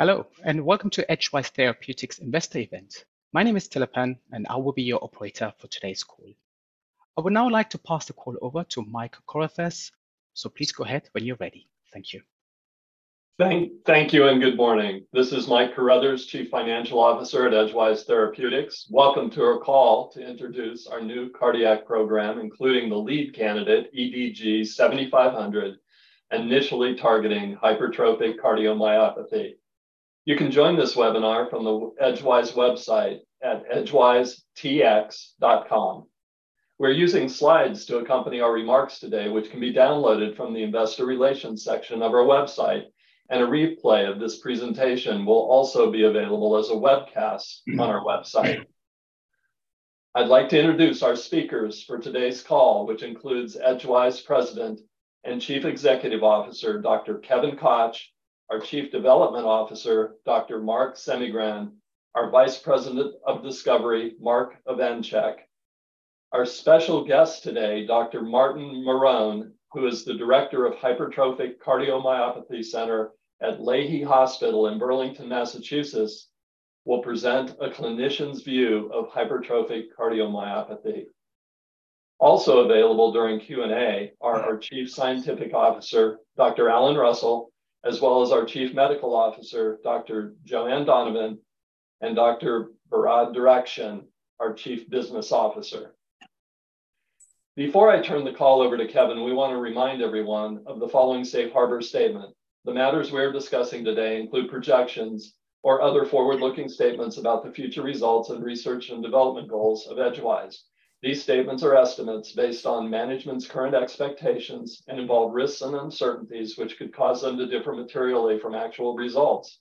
Hello, and welcome to Edgewise Therapeutics Investor Event.My name is Telepan, and I will be your operator for today's call. I would now like to pass the call over to Mike Carruthers, so please go ahead when you're ready. Thank you. Thank you. Good morning. This is Mike Carruthers, Chief Financial Officer at Edgewise Therapeutics. Welcome to our call to introduce our new cardiac program, including the lead candidate, EDG-7500, initially targeting hypertrophic cardiomyopathy. You can join this webinar from the Edgewise website at edgewisetx.com. We're using slides to accompany our remarks today, which can be downloaded from the investor relations section of our website. A replay of this presentation will also be available as a webcast on our website. I'd like to introduce our speakers for today's call, which includes Edgewise President and Chief Executive Officer, Dr. Kevin Koch; our Chief Development Officer, Dr. Marc Semigran; our Vice President of Discovery, Marc Evanchik. Our special guest today, Dr. Martin Maron, who is the Director of Hypertrophic Cardiomyopathy Center at Lahey Hospital in Burlington, Massachusetts, will present a clinician's view of hypertrophic cardiomyopathy. Also available during Q&A are our Chief Scientific Officer, Dr. Alan Russell, as well as our Chief Medical Officer, Dr. Joanne Donovan, and Dr. Behrad Derakhshan, our Chief Business Officer. Before I turn the call over to Kevin, we want to remind everyone of the following Safe Harbor statement: The matters we are discussing today include projections or other forward-looking statements about the future results and research and development goals of Edgewise. These statements are estimates based on management's current expectations and involve risks and uncertainties which could cause them to differ materially from actual results.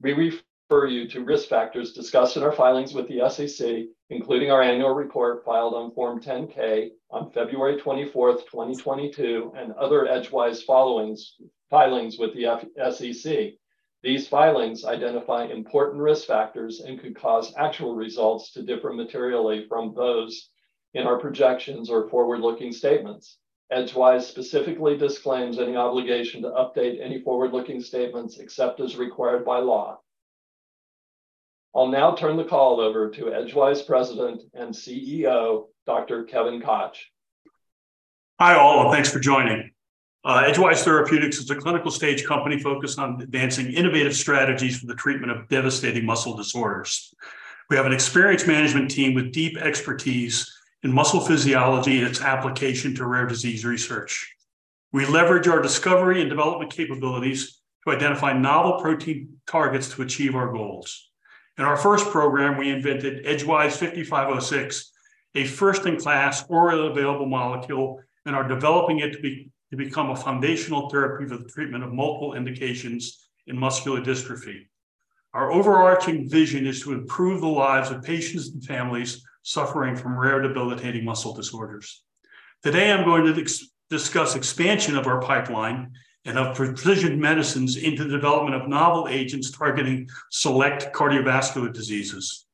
We refer you to risk factors discussed in our filings with the SEC, including our annual report filed on Form 10-K on February 24th, 2022, and other Edgewise filings with the SEC. These filings identify important risk factors and could cause actual results to differ materially from those in our projections or forward-looking statements. Edgewise specifically disclaims any obligation to update any forward-looking statements except as required by law. I'll now turn the call over to Edgewise President and CEO, Dr. Kevin Koch. Hi, all, and thanks for joining. Edgewise Therapeutics is a clinical stage company focused on advancing innovative strategies for the treatment of devastating muscle disorders. We have an experienced management team with deep expertise in muscle physiology and its application to rare disease research. We leverage our discovery and development capabilities to identify novel protein targets to achieve our goals. In our first program, we invented EDG-5506, a first-in-class oral available molecule, and are developing it to become a foundational therapy for the treatment of multiple indications in muscular dystrophy. Our overarching vision is to improve the lives of patients and families suffering from rare debilitating muscle disorders. Today, I'm going to discuss expansion of our pipeline and of precision medicines into the development of novel agents targeting select cardiovascular diseases.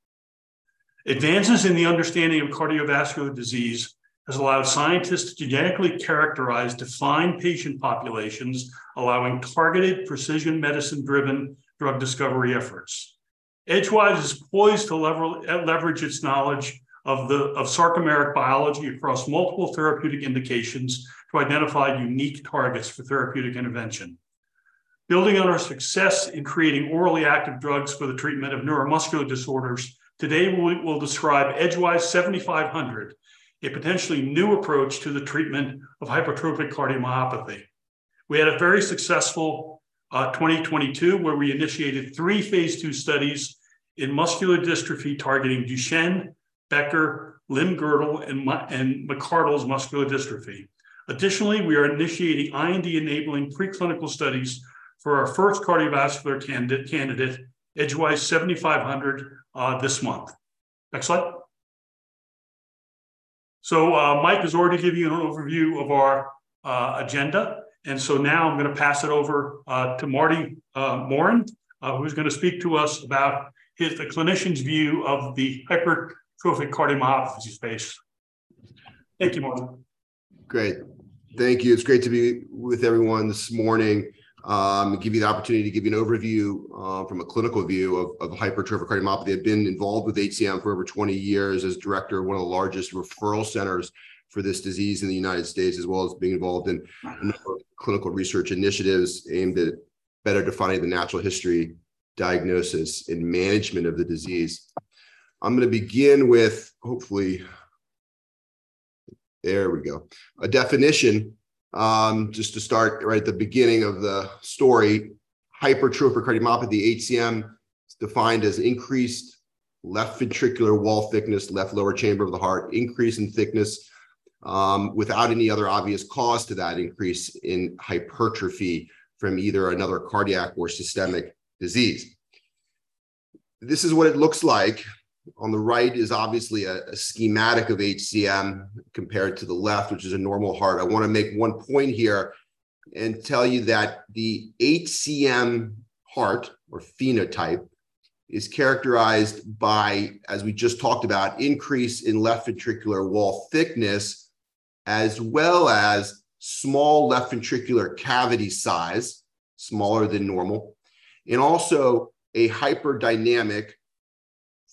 Advances in the understanding of cardiovascular disease has allowed scientists to genetically characterize defined patient populations, allowing targeted precision medicine-driven drug discovery efforts. Edgewise is poised to leverage its knowledge of sarcomeric biology across multiple therapeutic indications to identify unique targets for therapeutic intervention. Building on our success in creating orally active drugs for the treatment of neuromuscular disorders, today we will describe EDG-7500, a potentially new approach to the treatment of hypertrophic cardiomyopathy. We had a very successful 2022, where we initiated three phase II studies in muscular dystrophy targeting Duchenne, Becker, limb-girdle, and McArdle's muscular dystrophy. We are initiating IND-enabling preclinical studies for our first cardiovascular candidate, EDG-7500, this month. Next slide. Mike has already given you an overview of our agenda. Now I'm gonna pass it over to Martin Maron who's gonna speak to us about the clinician's view of the hypertrophic cardiomyopathy space. Thank you, Martin. Great. Thank you. It's great to be with everyone this morning, give you the opportunity to give you an overview, from a clinical view of hypertrophic cardiomyopathy. I've been involved with HCM for over 20 years as director of one of the largest referral centers for this disease in the United States, as well as being involved in a number of clinical research initiatives aimed at better defining the natural history, diagnosis, and management of the disease. I'm gonna begin with. There we go. A definition, just to start right at the beginning of the story. Hypertrophic cardiomyopathy, HCM, is defined as increased left ventricular wall thickness, left lower chamber of the heart, increase in thickness, without any other obvious cause to that increase in hypertrophy from either another cardiac or systemic disease. This is what it looks like. On the right is obviously a schematic of HCM compared to the left, which is a normal heart. I want to make one point here and tell you that the HCM heart or phenotype is characterized by, as we just talked about, increase in left ventricular wall thickness as well as small left ventricular cavity size, smaller than normal, and also a hyperdynamic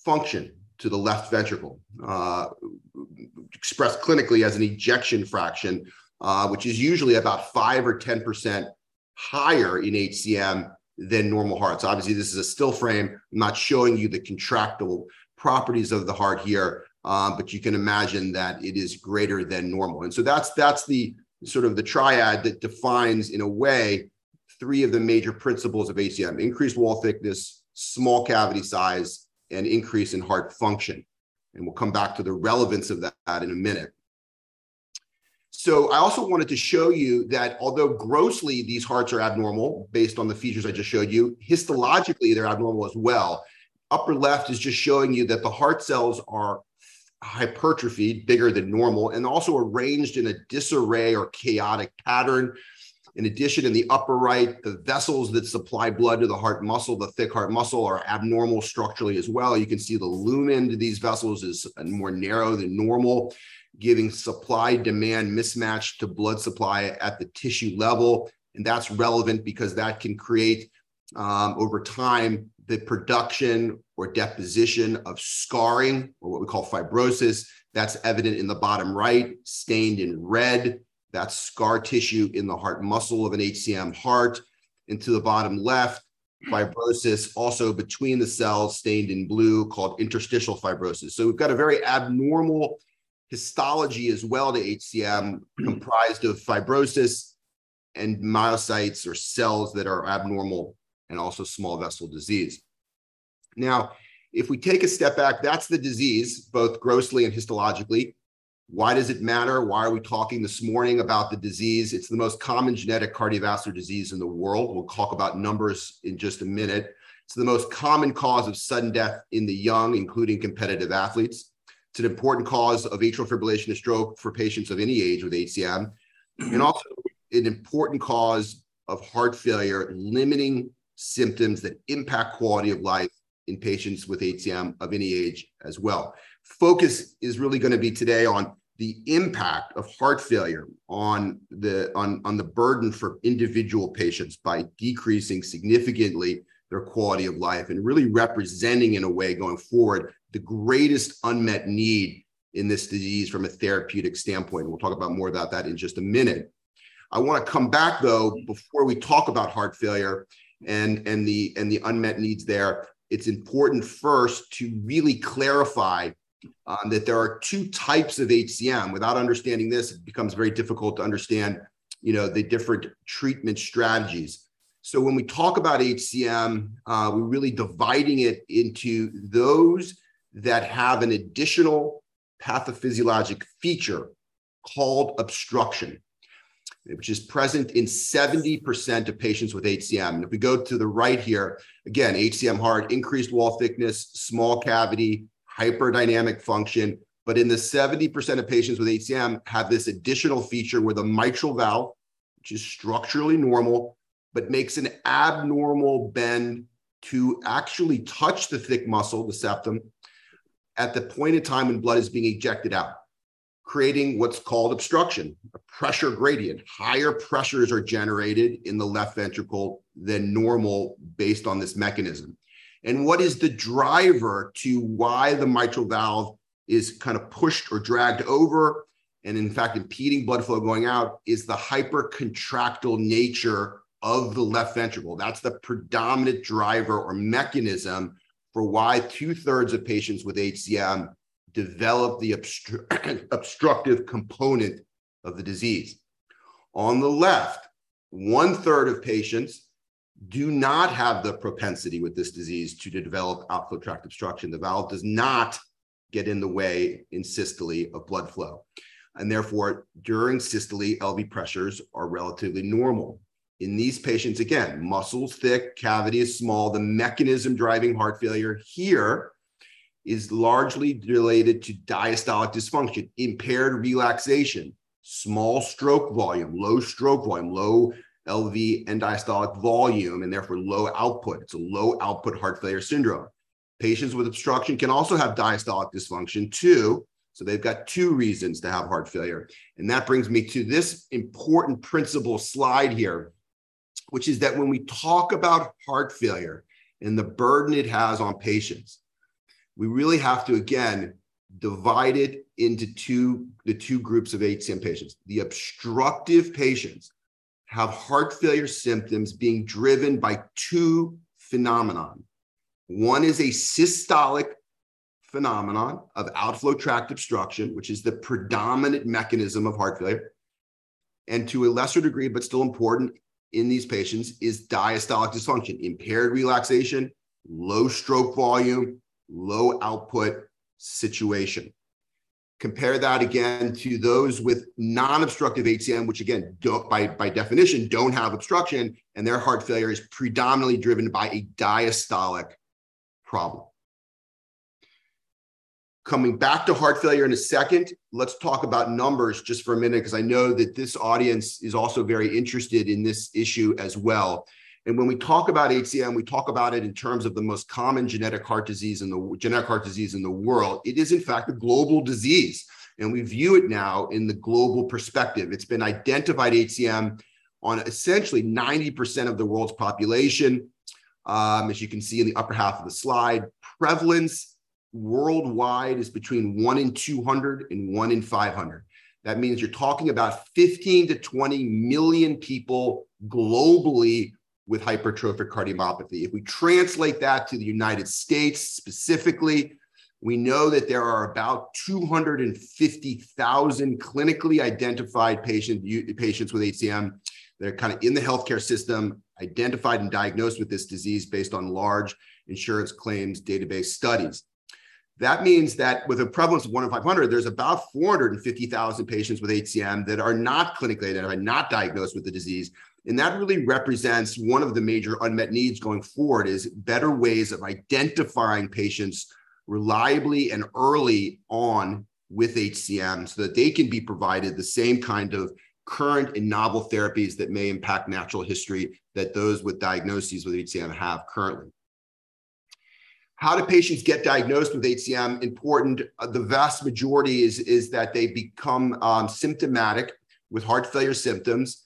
function to the left ventricle. Expressed clinically as an ejection fraction, which is usually about 5% or 10% higher in HCM than normal hearts. Obviously, this is a still frame. I'm not showing you the contractile properties of the heart here, but you can imagine that it is greater than normal. That's the sort of the triad that defines, in a way, three of the major principles of HCM: increased wall thickness, small cavity size, and increase in heart function. We'll come back to the relevance of that in a minute. I also wanted to show you that although grossly these hearts are abnormal, based on the features I just showed you, histologically they're abnormal as well. Upper left is just showing you that the heart cells are hypertrophy, bigger than normal, and also arranged in a disarray or chaotic pattern. In addition, in the upper right, the vessels that supply blood to the heart muscle, the thick heart muscle, are abnormal structurally as well. You can see the lumen to these vessels is more narrow than normal, giving supply-demand mismatch to blood supply at the tissue level. That's relevant because that can create over time the production or deposition of scarring or what we call fibrosis. That's evident in the bottom right, stained in red. That's scar tissue in the heart muscle of an HCM heart. To the bottom left, fibrosis also between the cells stained in blue, called interstitial fibrosis. We've got a very abnormal histology as well to HCM, comprised of fibrosis and myocytes or cells that are abnormal and also small vessel disease. If we take a step back, that's the disease, both grossly and histologically. Why does it matter? Why are we talking this morning about the disease? It's the most common genetic cardiovascular disease in the world. We'll talk about numbers in just a minute. It's the most common cause of sudden death in the young, including competitive athletes. It's an important cause of atrial fibrillation and stroke for patients of any age with HCM, and also an important cause of heart failure, limiting symptoms that impact quality of life in patients with HCM of any age as well. Focus is really gonna be today on the impact of heart failure on the burden for individual patients by decreasing significantly their quality of life and really representing, in a way going forward, the greatest unmet need in this disease from a therapeutic standpoint. We'll talk about more about that in just a minute. I wanna come back, though, before we talk about heart failure and the unmet needs there. It's important first to really clarify that there are two types of HCM. Without understanding this, it becomes very difficult to understand, you know, the different treatment strategies. When we talk about HCM, we're really dividing it into those that have an additional pathophysiologic feature called obstruction, which is present in 70% of patients with HCM. If we go to the right here, again, HCM heart, increased wall thickness, small cavity, hyperdynamic function. In the 70% of patients with HCM have this additional feature where the mitral valve, which is structurally normal, but makes an abnormal bend to actually touch the thick muscle, the septum, at the point in time when blood is being ejected out, creating what's called obstruction, a pressure gradient. Higher pressures are generated in the left ventricle than normal based on this mechanism. What is the driver to why the mitral valve is kind of pushed or dragged over and in fact impeding blood flow going out is the hypercontractile nature of the left ventricle. That's the predominant driver or mechanism for why two-thirds of patients with HCM develop the obstructive component of the disease. On the left, one-third of patients do not have the propensity with this disease to develop outflow tract obstruction. The valve does not get in the way in systole of blood flow, and therefore, during systole, LV pressures are relatively normal. In these patients, again, muscle's thick, cavity is small. The mechanism driving heart failure here is largely related to diastolic dysfunction, impaired relaxation, small stroke volume, low stroke volume, low LV end-diastolic volume, and therefore low output. It's a low output heart failure syndrome. Patients with obstruction can also have diastolic dysfunction too, so they've got two reasons to have heart failure. That brings me to this important principle slide here, which is that when we talk about heart failure and the burden it has on patients, we really have to again divide it into two, the two groups of HCM patients. The obstructive patients have heart failure symptoms being driven by two phenomenon. One is a systolic phenomenon of outflow tract obstruction, which is the predominant mechanism of heart failure, and to a lesser degree, but still important in these patients, is diastolic dysfunction, impaired relaxation, low stroke volume, low output situation. Compare that again to those with non-obstructive HCM, which again, don't, by definition, don't have obstruction, and their heart failure is predominantly driven by a diastolic problem. Coming back to heart failure in a second, let's talk about numbers just for a minute 'cause I know that this audience is also very interested in this issue as well. When we talk about HCM, we talk about it in terms of the most common genetic heart disease in the world. It is in fact a global disease, and we view it now in the global perspective. It's been identified, HCM, on essentially 90% of the world's population. As you can see in the upper half of the slide, prevalence worldwide is between 1 in 200 and 1 in 500. That means you're talking about 15-20 million people globally with hypertrophic cardiomyopathy. If we translate that to the United States specifically, we know that there are about 250,000 clinically identified patients with HCM that are kinda in the healthcare system, identified and diagnosed with this disease based on large insurance claims database studies. That means that with a prevalence of 1 in 500, there's about 450,000 patients with HCM that are not clinically, that are not diagnosed with the disease. That really represents one of the major unmet needs going forward is better ways of identifying patients reliably and early on with HCM so that they can be provided the same kind of current and novel therapies that may impact natural history that those with diagnoses with HCM have currently. How do patients get diagnosed with HCM? Important, the vast majority is that they become symptomatic with heart failure symptoms,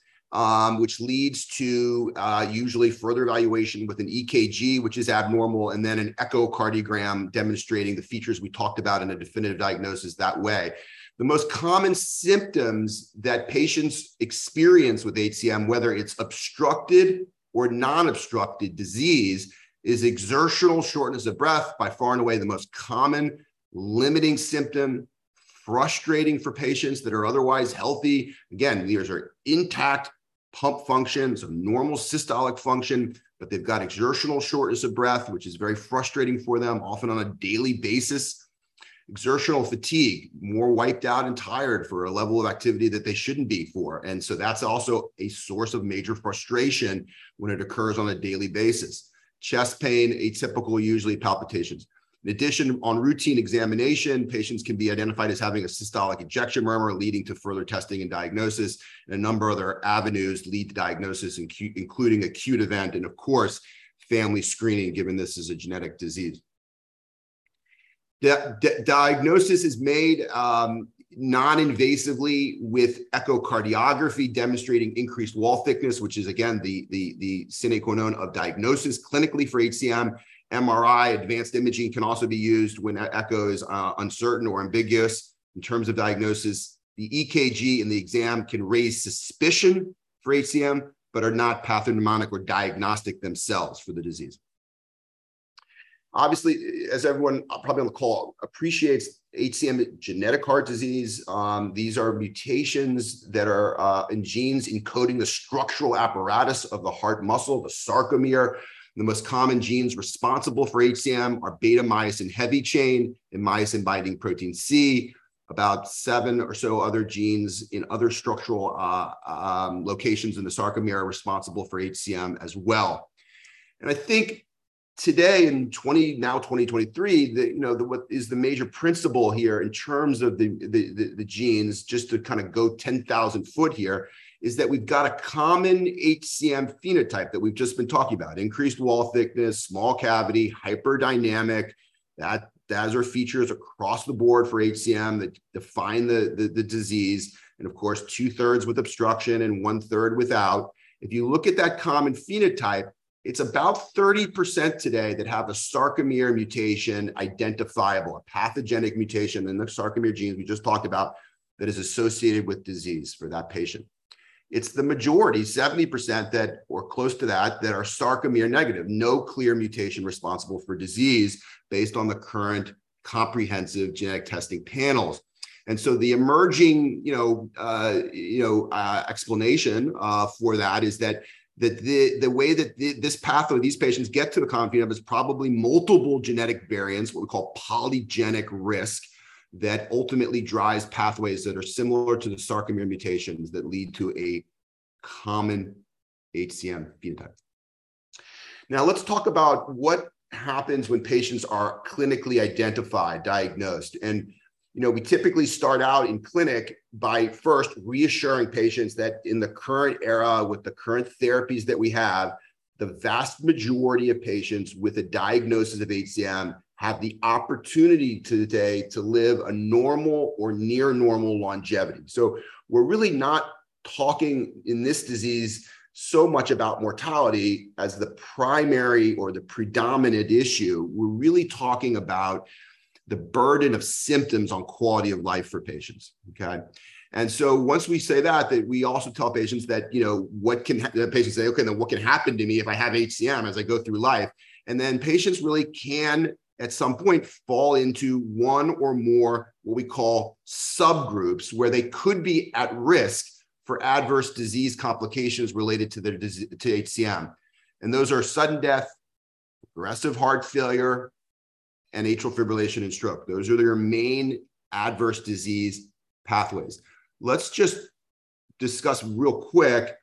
which leads to usually further evaluation with an EKG, which is abnormal, and then an echocardiogram demonstrating the features we talked about in a definitive diagnosis that way. The most common symptoms that patients experience with HCM, whether it's obstructed or non-obstructed disease, is exertional shortness of breath, by far and away the most common limiting symptom, frustrating for patients that are otherwise healthy. Again, these are intact pump functions of normal systolic function, but they've got exertional shortness of breath, which is very frustrating for them, often on a daily basis. Exertional fatigue, more wiped out and tired for a level of activity that they shouldn't be for. That's also a source of major frustration when it occurs on a daily basis. Chest pain, atypical, usually palpitations. In addition, on routine examination, patients can be identified as having a systolic ejection murmur leading to further testing and diagnosis. A number of other avenues lead to diagnosis including acute event and of course, family screening, given this is a genetic disease. Diagnosis is made non-invasively with echocardiography demonstrating increased wall thickness, which is again the sine qua non of diagnosis clinically for HCM. MRI advanced imaging can also be used when that echo is uncertain or ambiguous in terms of diagnosis. The EKG in the exam can raise suspicion for HCM, are not pathognomonic or diagnostic themselves for the disease. Obviously, as everyone probably on the call appreciates, HCM genetic heart disease, these are mutations that are in genes encoding the structural apparatus of the heart muscle, the sarcomere. The most common genes responsible for HCM are beta myosin heavy chain and myosin-binding protein C. About seven or so other genes in other structural locations in the sarcomere are responsible for HCM as well. I think today in 2023, you know, what is the major principle here in terms of the genes, just to kinda go 10,000 foot here, is that we've got a common HCM phenotype that we've just been talking about, increased wall thickness, small cavity, hyperdynamic. That are features across the board for HCM that define the disease and of course two-thirds with obstruction and one-third without. If you look at that common phenotype, it's about 30% today that have a sarcomere mutation identifiable, a pathogenic mutation in the sarcomere genes we just talked about, that is associated with disease for that patient. It's the majority, 70% that, or close to that are sarcomere negative. No clear mutation responsible for disease based on the current comprehensive genetic testing panels. The emerging, you know, you know, explanation for that is that the, the way that this path or these patients get to the phenom is probably multiple genetic variants, what we call polygenic risk, that ultimately drives pathways that are similar to the sarcomere mutations that lead to a common HCM phenotype. Let's talk about what happens when patients are clinically identified, diagnosed. You know, we typically start out in clinic by first reassuring patients that in the current era with the current therapies that we have, the vast majority of patients with a diagnosis of HCM have the opportunity today to live a normal or near normal longevity. We're really not talking in this disease so much about mortality as the primary or the predominant issue. We're really talking about the burden of symptoms on quality of life for patients, okay? Once we say that, we also tell patients that, you know, the patients say, "Okay, then what can happen to me if I have HCM as I go through life?" Patients really can, at some point, fall into one or more what we call subgroups, where they could be at risk for adverse disease complications related to their to HCM. Those are sudden death, aggressive heart failure, and atrial fibrillation and stroke. Those are your main adverse disease pathways. Let's discuss real quick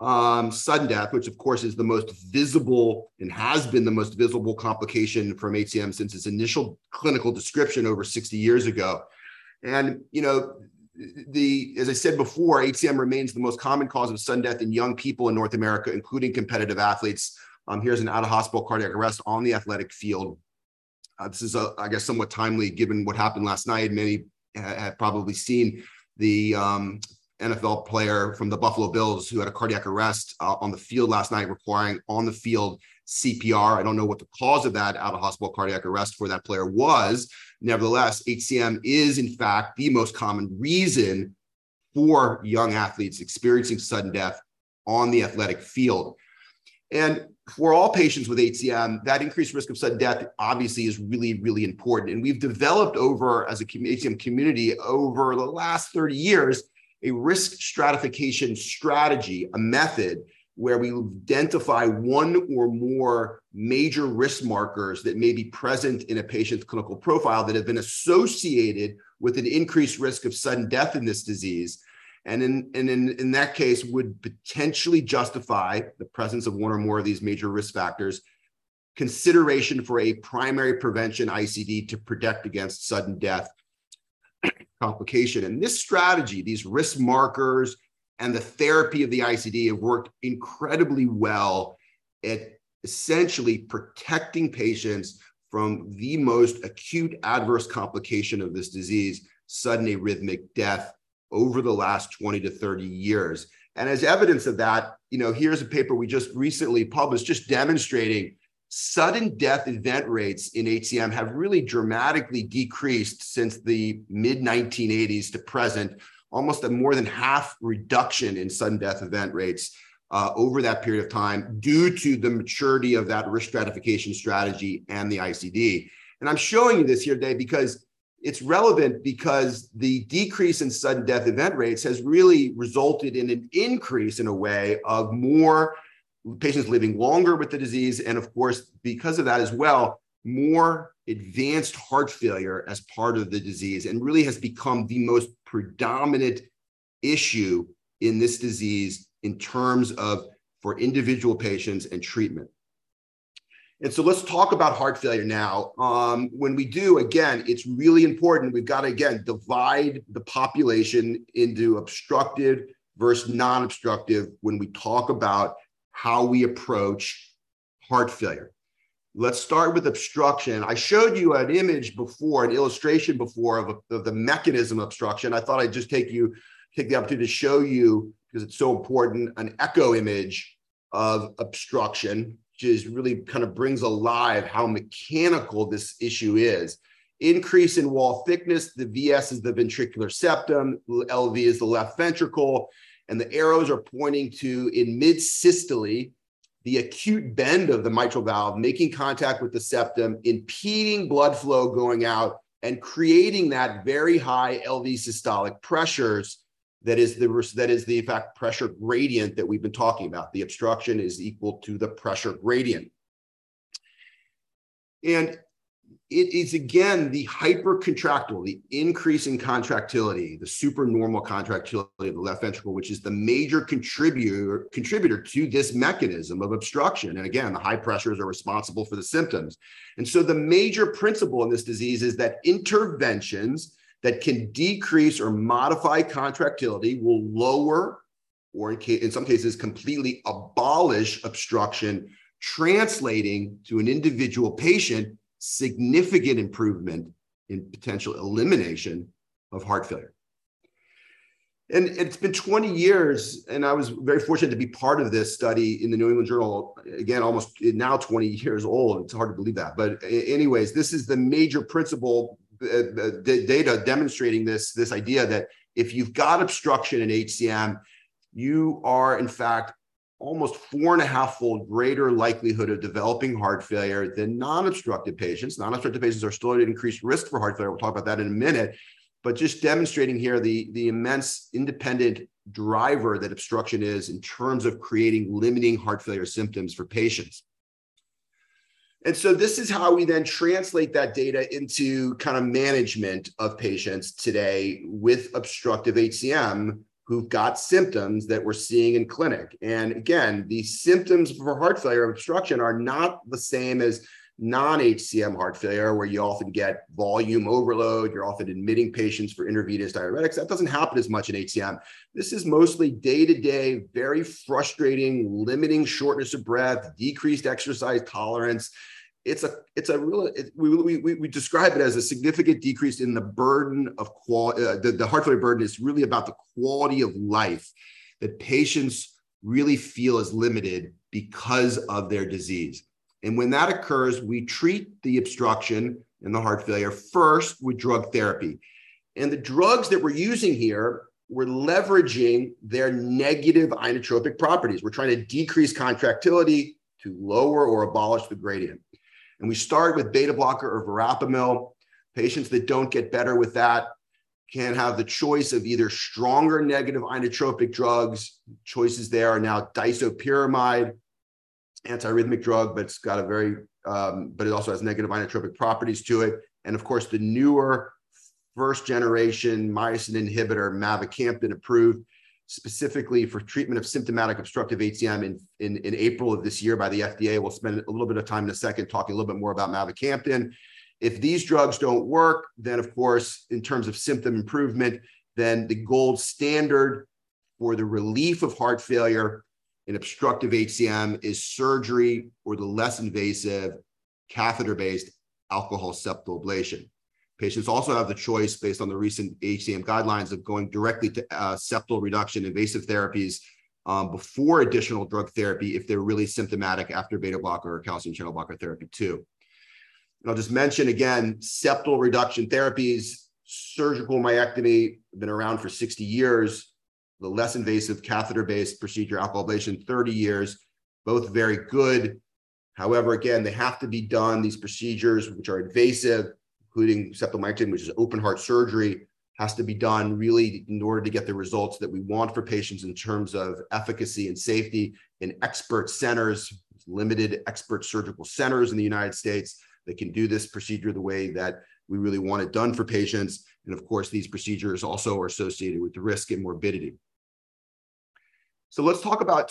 sudden death, which of course is the most visible and has been the most visible complication from HCM since its initial clinical description over 60 years ago. You know, as I said before, HCM remains the most common cause of sudden death in young people in North America, including competitive athletes. Here's an out-of-hospital cardiac arrest on the athletic field. This is, I guess somewhat timely given what happened last night. Many have probably seen the NFL player from the Buffalo Bills who had a cardiac arrest on the field last night requiring on-the-field CPR. I don't know what the cause of that out-of-hospital cardiac arrest for that player was. Nevertheless, HCM is in fact the most common reason for young athletes experiencing sudden death on the athletic field. For all patients with HCM, that increased risk of sudden death obviously is really, really important. We've developed over, as a HCM community, over the last 30 years, a risk stratification strategy, a method where we identify one or more major risk markers that may be present in a patient's clinical profile that have been associated with an increased risk of sudden death in this disease, and in that case, would potentially justify the presence of one or more of these major risk factors' consideration for a primary prevention ICD to protect against sudden death complication. This strategy, these risk markers, and the therapy of the ICD have worked incredibly well at essentially protecting patients from the most acute adverse complication of this disease, sudden arrhythmic death, over the last 20 to 30 years. As evidence of that, you know, here's a paper we just recently published just demonstrating sudden death event rates in HCM have really dramatically decreased since the mid-1980s to present, almost a more than half reduction in sudden death event rates over that period of time due to the maturity of that risk stratification strategy and the ICD. I'm showing you this here today because it's relevant because the decrease in sudden death event rates has really resulted in an increase in a way of more patients living longer with the disease and, of course, because of that as well, more advanced heart failure as part of the disease and really has become the most predominant issue in this disease in terms of for individual patients and treatment. Let's talk about heart failure now. When we do, again, it's really important, we've gotta again divide the population into obstructive versus non-obstructive when we talk about how we approach heart failure. Let's start with obstruction. I showed you an image before, an illustration before of a, of the mechanism obstruction. I thought I'd just take you, take the opportunity to show you, 'cause it's so important, an echo image of obstruction, just really kind of brings alive how mechanical this issue is. Increase in wall thickness, the VS is the ventricular septum, LV is the left ventricle, and the arrows are pointing to, in mid-systole, the acute bend of the mitral valve making contact with the septum, impeding blood flow going out and creating that very high LV systolic pressures that is the, in fact, pressure gradient that we've been talking about. The obstruction is equal to the pressure gradient. It is again the hypercontractile, the increase in contractility, the super normal contractility of the left ventricle, which is the major contributor to this mechanism of obstruction. The high pressures are responsible for the symptoms. The major principle in this disease is that interventions that can decrease or modify contractility will lower, or in some cases, completely abolish obstruction, translating to an individual patient significant improvement in potential elimination of heart failure. It's been 20 years, and I was very fortunate to be part of this study in The New England Journal, again, almost now 20 years old. It's hard to believe that. Anyways, this is the major principle, data demonstrating this idea that if you've got obstruction in HCM, you are in fact almost 4.5-fold greater likelihood of developing heart failure than non-obstructive patients. Non-obstructive patients are still at increased risk for heart failure. We'll talk about that in a minute. Just demonstrating here the immense independent driver that obstruction is in terms of creating limiting heart failure symptoms for patients. This is how we then translate that data into kinda management of patients today with obstructive HCM who've got symptoms that we're seeing in clinic. Again, the symptoms for heart failure obstruction are not the same as non-HCM heart failure, where you often get volume overload. You're often admitting patients for intravenous diuretics. That doesn't happen as much in HCM. This is mostly day-to-day, very frustrating, limiting shortness of breath, decreased exercise tolerance. We describe it as a significant decrease in the heart failure burden is really about the quality of life that patients really feel is limited because of their disease. When that occurs, we treat the obstruction and the heart failure first with drug therapy. The drugs that we're using here, we're leveraging their negative inotropic properties. We're trying to decrease contractility to lower or abolish the gradient. We start with beta blocker or verapamil. Patients that don't get better with that can have the choice of either stronger negative inotropic drugs. Choices there are now disopyramide, anti-arrhythmic drug, but it also has negative inotropic properties to it. Of course, the newer first generation myosin inhibitor, mavacamten, approved specifically for treatment of symptomatic obstructive HCM in April of this year by the FDA. We'll spend a little bit of time in a second talking a little bit more about mavacamten. If these drugs don't work, then of course, in terms of symptom improvement, then the gold standard for the relief of heart failure in obstructive HCM is surgery or the less invasive catheter-based alcohol septal ablation. Patients also have the choice, based on the recent HCM guidelines, of going directly to septal reduction invasive therapies before additional drug therapy if they're really symptomatic after beta blocker or calcium channel blocker therapy too. I'll just mention again, septal reduction therapies, surgical myectomy have been around for 60 years. The less invasive catheter-based procedure, alcohol ablation, 30 years. Both very good. Again, they have to be done, these procedures, which are invasive, including septal myectomy, which is open heart surgery, has to be done really in order to get the results that we want for patients in terms of efficacy and safety in expert centers. There's limited expert surgical centers in the United States that can do this procedure the way that we really want it done for patients. Of course, these procedures also are associated with the risk and morbidity. From my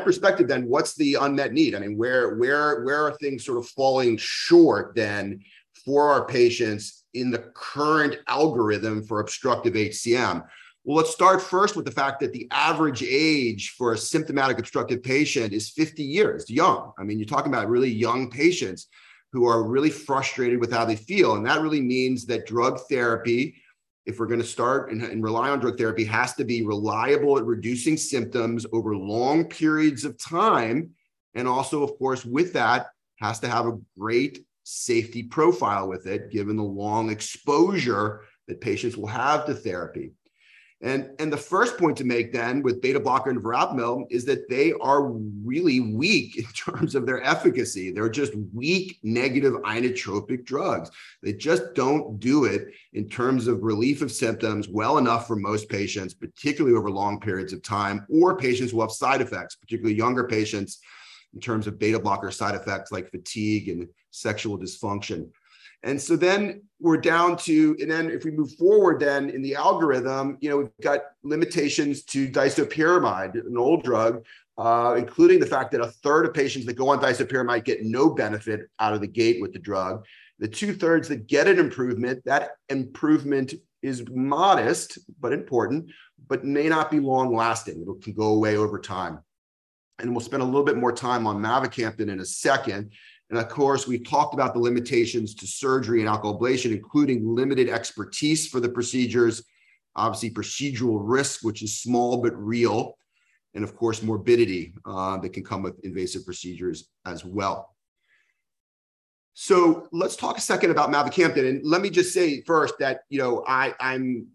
perspective then, what's the unmet need? I mean, where are things sort of falling short then for our patients in the current algorithm for obstructive HCM? Well, let's start first with the fact that the average age for a symptomatic obstructive patient is 50 years. Young. I mean, you're talking about really young patients who are really frustrated with how they feel, and that really means that drug therapy, if we're gonna start and rely on drug therapy, has to be reliable at reducing symptoms over long periods of time, and also of course with that, has to have a great safety profile with it, given the long exposure that patients will have to therapy. The first point to make then with beta blocker and verapamil is that they are really weak in terms of their efficacy. They're just weak negative inotropic drugs. They just don't do it in terms of relief of symptoms well enough for most patients, particularly over long periods of time, or patients will have side effects, particularly younger patients, in terms of beta blocker side effects like fatigue and sexual dysfunction. If we move forward then in the algorithm, you know, we've got limitations to disopyramide, an old drug, including the fact that a third of patients that go on disopyramide get no benefit out of the gate with the drug. The two-thirds that get an improvement, that improvement is modest but important, but may not be long-lasting. It can go away over time. We'll spend a little bit more time on mavacamten in a second. Of course, we talked about the limitations to surgery and alcohol ablation, including limited expertise for the procedures, obviously procedural risk, which is small but real, and of course morbidity that can come with invasive procedures as well. Let's talk a second about mavacamten, and let me just say first that, you know, I'm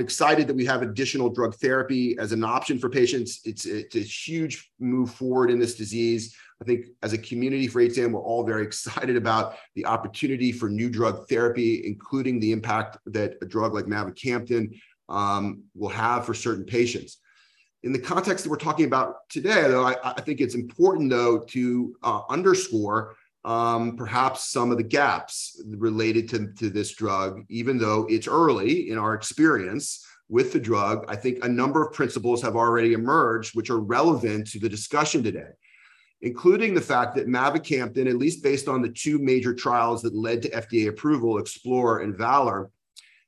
excited that we have additional drug therapy as an option for patients. It's a, it's a huge move forward in this disease. I think as a community for HCM, we're all very excited about the opportunity for new drug therapy, including the impact that a drug like mavacamten will have for certain patients. In the context that we're talking about today though, I think it's important though to underscore perhaps some of the gaps related to this drug. Even though it's early in our experience with the drug, I think a number of principles have already emerged which are relevant to the discussion today, including the fact that mavacamten, at least based on the two major trials that led to FDA approval, EXPLORER and VALOR,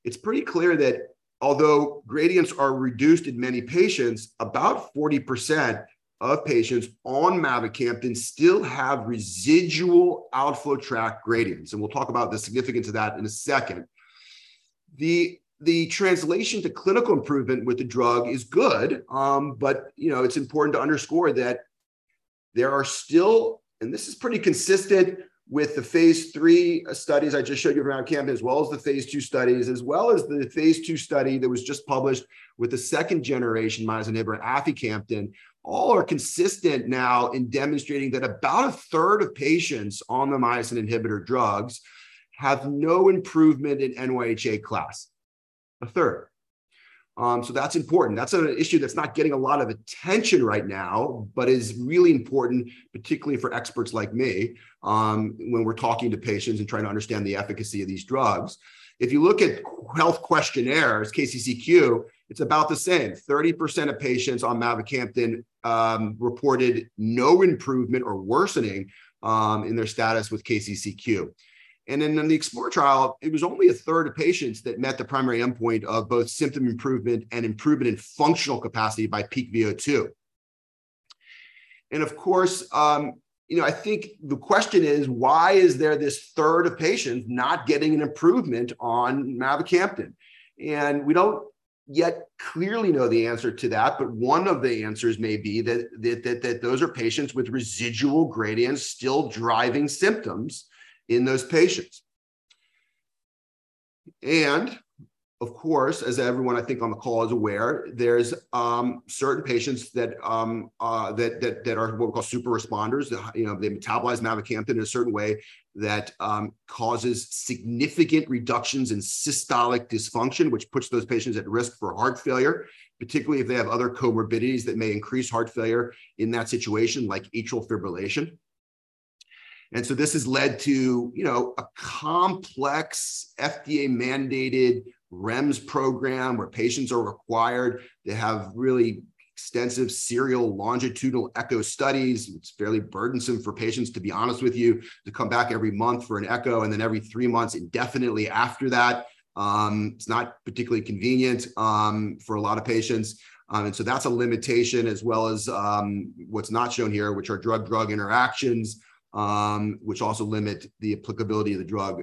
it's pretty clear that although gradients are reduced in many patients, about 40% of patients on mavacamten still have residual outflow tract gradients, and we'll talk about the significance of that in a second. The translation to clinical improvement with the drug is good, you know, it's important to underscore that there are still, and this is pretty consistent with the phase III studies I just showed you of mavacamten as well as the phase II studies, as well as the phase II study that was just published with the second generation myosin inhibitor aficamten, all are consistent now in demonstrating that about a third of patients on the myosin inhibitor drugs have no improvement in NYHA Class. A third. That's important. That's an issue that's not getting a lot of attention right now, but is really important, particularly for experts like me, when we're talking to patients and trying to understand the efficacy of these drugs. If you look at health questionnaires, KCCQ, it's about the same. 30% of patients on mavacamten reported no improvement or worsening in their status with KCCQ. In the EXPLORER trial, it was only a third of patients that met the primary endpoint of both symptom improvement and improvement in functional capacity by peak VO2. Of course, you know, I think the question is, why is there this third of patients not getting an improvement on mavacamten? We don't yet clearly know the answer to that, but one of the answers may be that those are patients with residual gradients still driving symptoms in those patients. Of course, as everyone I think on the call is aware, there's certain patients that are what we call super responders. You know, they metabolize mavacamten in a certain way that causes significant reductions in systolic dysfunction, which puts those patients at risk for heart failure, particularly if they have other comorbidities that may increase heart failure in that situation, like atrial fibrillation. This has led to, you know, a complex FDA-mandated REMS program where patients are required to have really extensive serial longitudinal echo studies. It's fairly burdensome for patients, to be honest with you, to come back every month for an echo, and then every 3 months indefinitely after that. It's not particularly convenient for a lot of patients. That's a limitation as well as what's not shown here, which are drug-drug interactions, which also limit the applicability of the drug,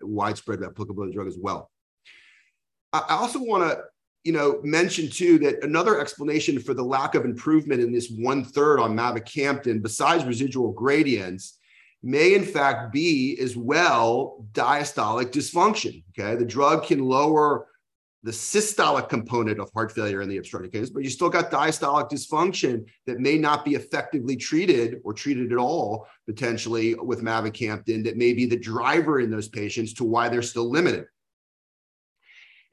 widespread applicability of the drug as well. I also wanna, you know, mention too that another explanation for the lack of improvement in this one-third on mavacamten, besides residual gradients, may in fact be as well diastolic dysfunction, okay? The drug can lower the systolic component of heart failure in the obstructive case, but you still got diastolic dysfunction that may not be effectively treated or treated at all potentially with mavacamten that may be the driver in those patients to why they're still limited.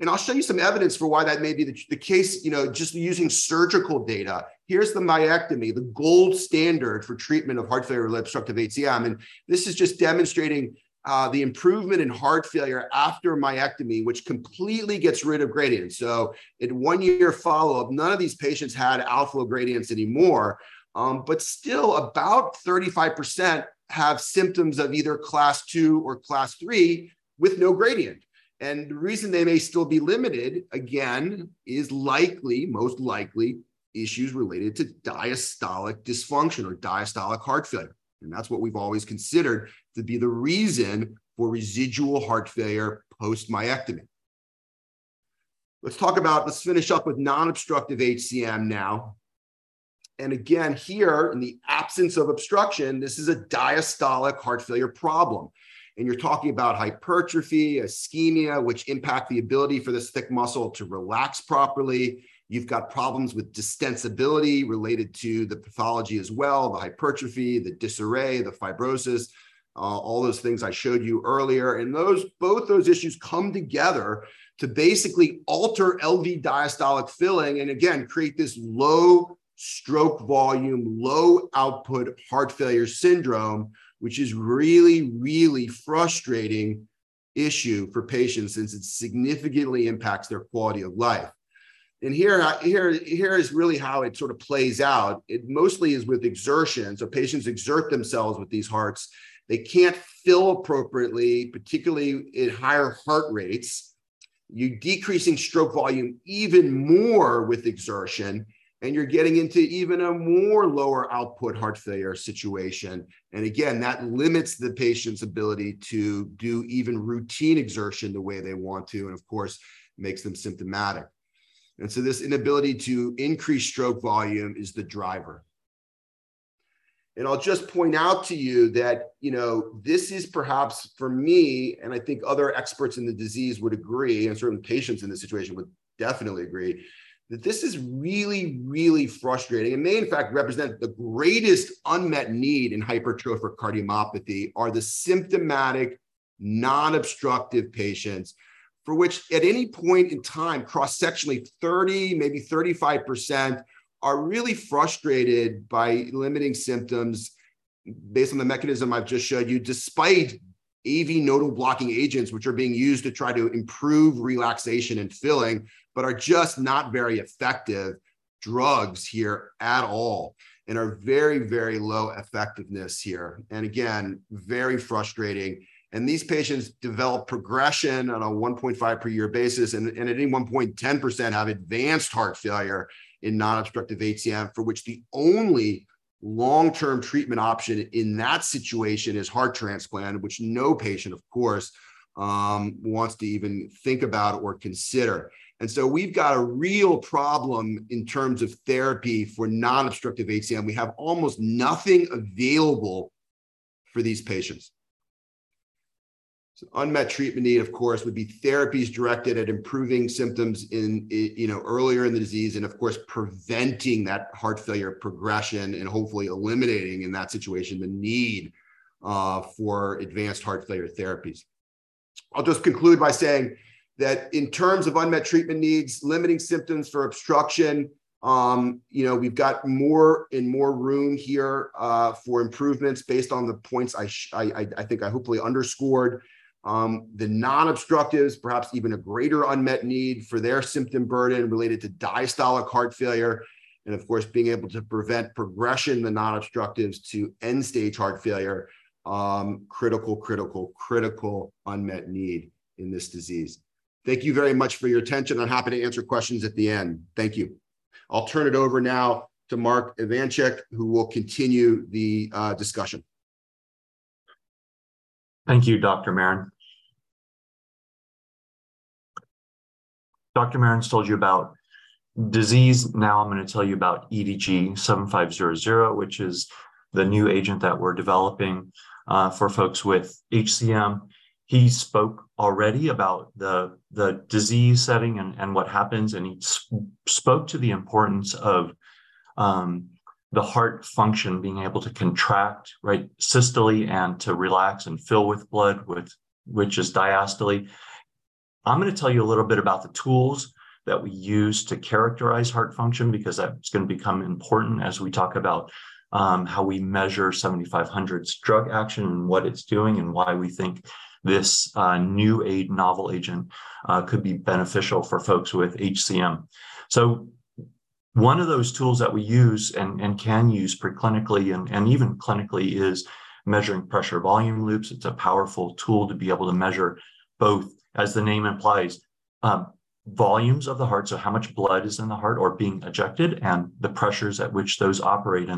I'll show you some evidence for why that may be the case, you know, just using surgical data. Here's the myectomy, the gold standard for treatment of heart failure with obstructive HCM, and this is just demonstrating the improvement in heart failure after myectomy, which completely gets rid of gradients. In 1-year follow-up, none of these patients had outflow gradients anymore, but still about 35% have symptoms of either Class II or Class III with no gradient. The reason they may still be limited, again, is likely, most likely issues related to diastolic dysfunction or diastolic heart failure, and that's what we've always considered to be the reason for residual heart failure post myectomy. Let's finish up with non-obstructive HCM now. Again, here in the absence of obstruction, this is a diastolic heart failure problem, and you're talking about hypertrophy, ischemia, which impact the ability for this thick muscle to relax properly. You've got problems with distensibility related to the pathology as well, the hypertrophy, the disarray, the fibrosis, all those things I showed you earlier. Both those issues come together to basically alter LV diastolic filling, and again, create this low stroke volume, low output heart failure syndrome, which is really frustrating issue for patients since it significantly impacts their quality of life. Here is really how it sort of plays out. It mostly is with exertion, so patients exert themselves with these hearts. They can't fill appropriately, particularly at higher heart rates. You're decreasing stroke volume even more with exertion, and you're getting into even a more lower output heart failure situation. Again, that limits the patient's ability to do even routine exertion the way they want to and, of course, makes them symptomatic. This inability to increase stroke volume is the driver. I'll just point out to you that, you know, this is perhaps for me, and I think other experts in the disease would agree, and certainly patients in this situation would definitely agree, that this is really, really frustrating and may in fact represent the greatest unmet need in hypertrophic cardiomyopathy are the symptomatic non-obstructive patients for which at any point in time cross-sectionally 30, maybe 35% are really frustrated by limiting symptoms based on the mechanism I've just showed you, despite AV nodal blocking agents, which are being used to try to improve relaxation and filling, but are just not very effective drugs here at all and are very, very low effectiveness here. Again, very frustrating. These patients develop progression on a 1.5 per year basis, and at any 1 point, 10% have advanced heart failure in non-obstructive HCM, for which the only long-term treatment option in that situation is heart transplant, which no patient, of course, wants to even think about or consider. We've got a real problem in terms of therapy for non-obstructive HCM. We have almost nothing available for these patients. Unmet treatment need, of course, would be therapies directed at improving symptoms in, you know, earlier in the disease and, of course, preventing that heart failure progression and hopefully eliminating in that situation the need for advanced heart failure therapies. I'll just conclude by saying that in terms of unmet treatment needs, limiting symptoms for obstruction, you know, we've got more and more room here for improvements based on the points I think I hopefully underscored. The non-obstructives, perhaps even a greater unmet need for their symptom burden related to diastolic heart failure and, of course, being able to prevent progression in the non-obstructives to end-stage heart failure, critical, critical unmet need in this disease. Thank you very much for your attention. I'm happy to answer questions at the end. Thank you. I'll turn it over now to Marc Evanchik, who will continue the discussion. Thank you, Dr. Maron. Dr. Maron's told you about disease. I'm gonna tell you about EDG-7500, which is the new agent that we're developing for folks with HCM. He spoke already about the disease setting and what happens, and he spoke to the importance of the heart function being able to contract, right, systole and to relax and fill with blood which is diastole. I'm gonna tell you a little bit about the tools that we use to characterize heart function because that's gonna become important as we talk about how we measure 7500's drug action and what it's doing and why we think this new aid novel agent could be beneficial for folks with HCM. One of those tools that we use and can use pre-clinically and even clinically is measuring pressure-volume loops. It's a powerful tool to be able to measure both, as the name implies, volumes of the heart, so how much blood is in the heart or being ejected, and the pressures at which those operate.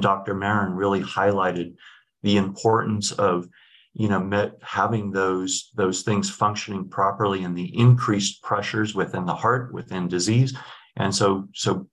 Dr. Maron really highlighted the importance of, you know, having those things functioning properly and the increased pressures within the heart, within disease. So,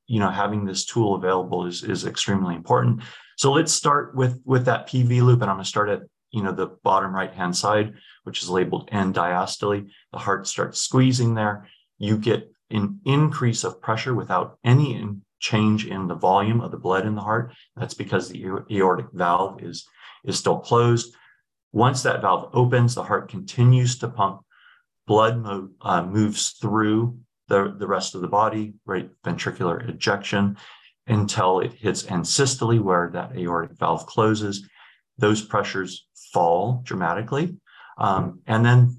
you know, having this tool available is extremely important. Let's start with that PV loop, and I'm going to start at, you know, the bottom right-hand side, which is labeled end-diastole. The heart starts squeezing there. You get an increase of pressure without any change in the volume of the blood in the heart. That's because the aortic valve is still closed. Once that valve opens, the heart continues to pump. Blood moves through the rest of the body, right, ventricular ejection, until it hits end systole, where that aortic valve closes. Those pressures fall dramatically. Then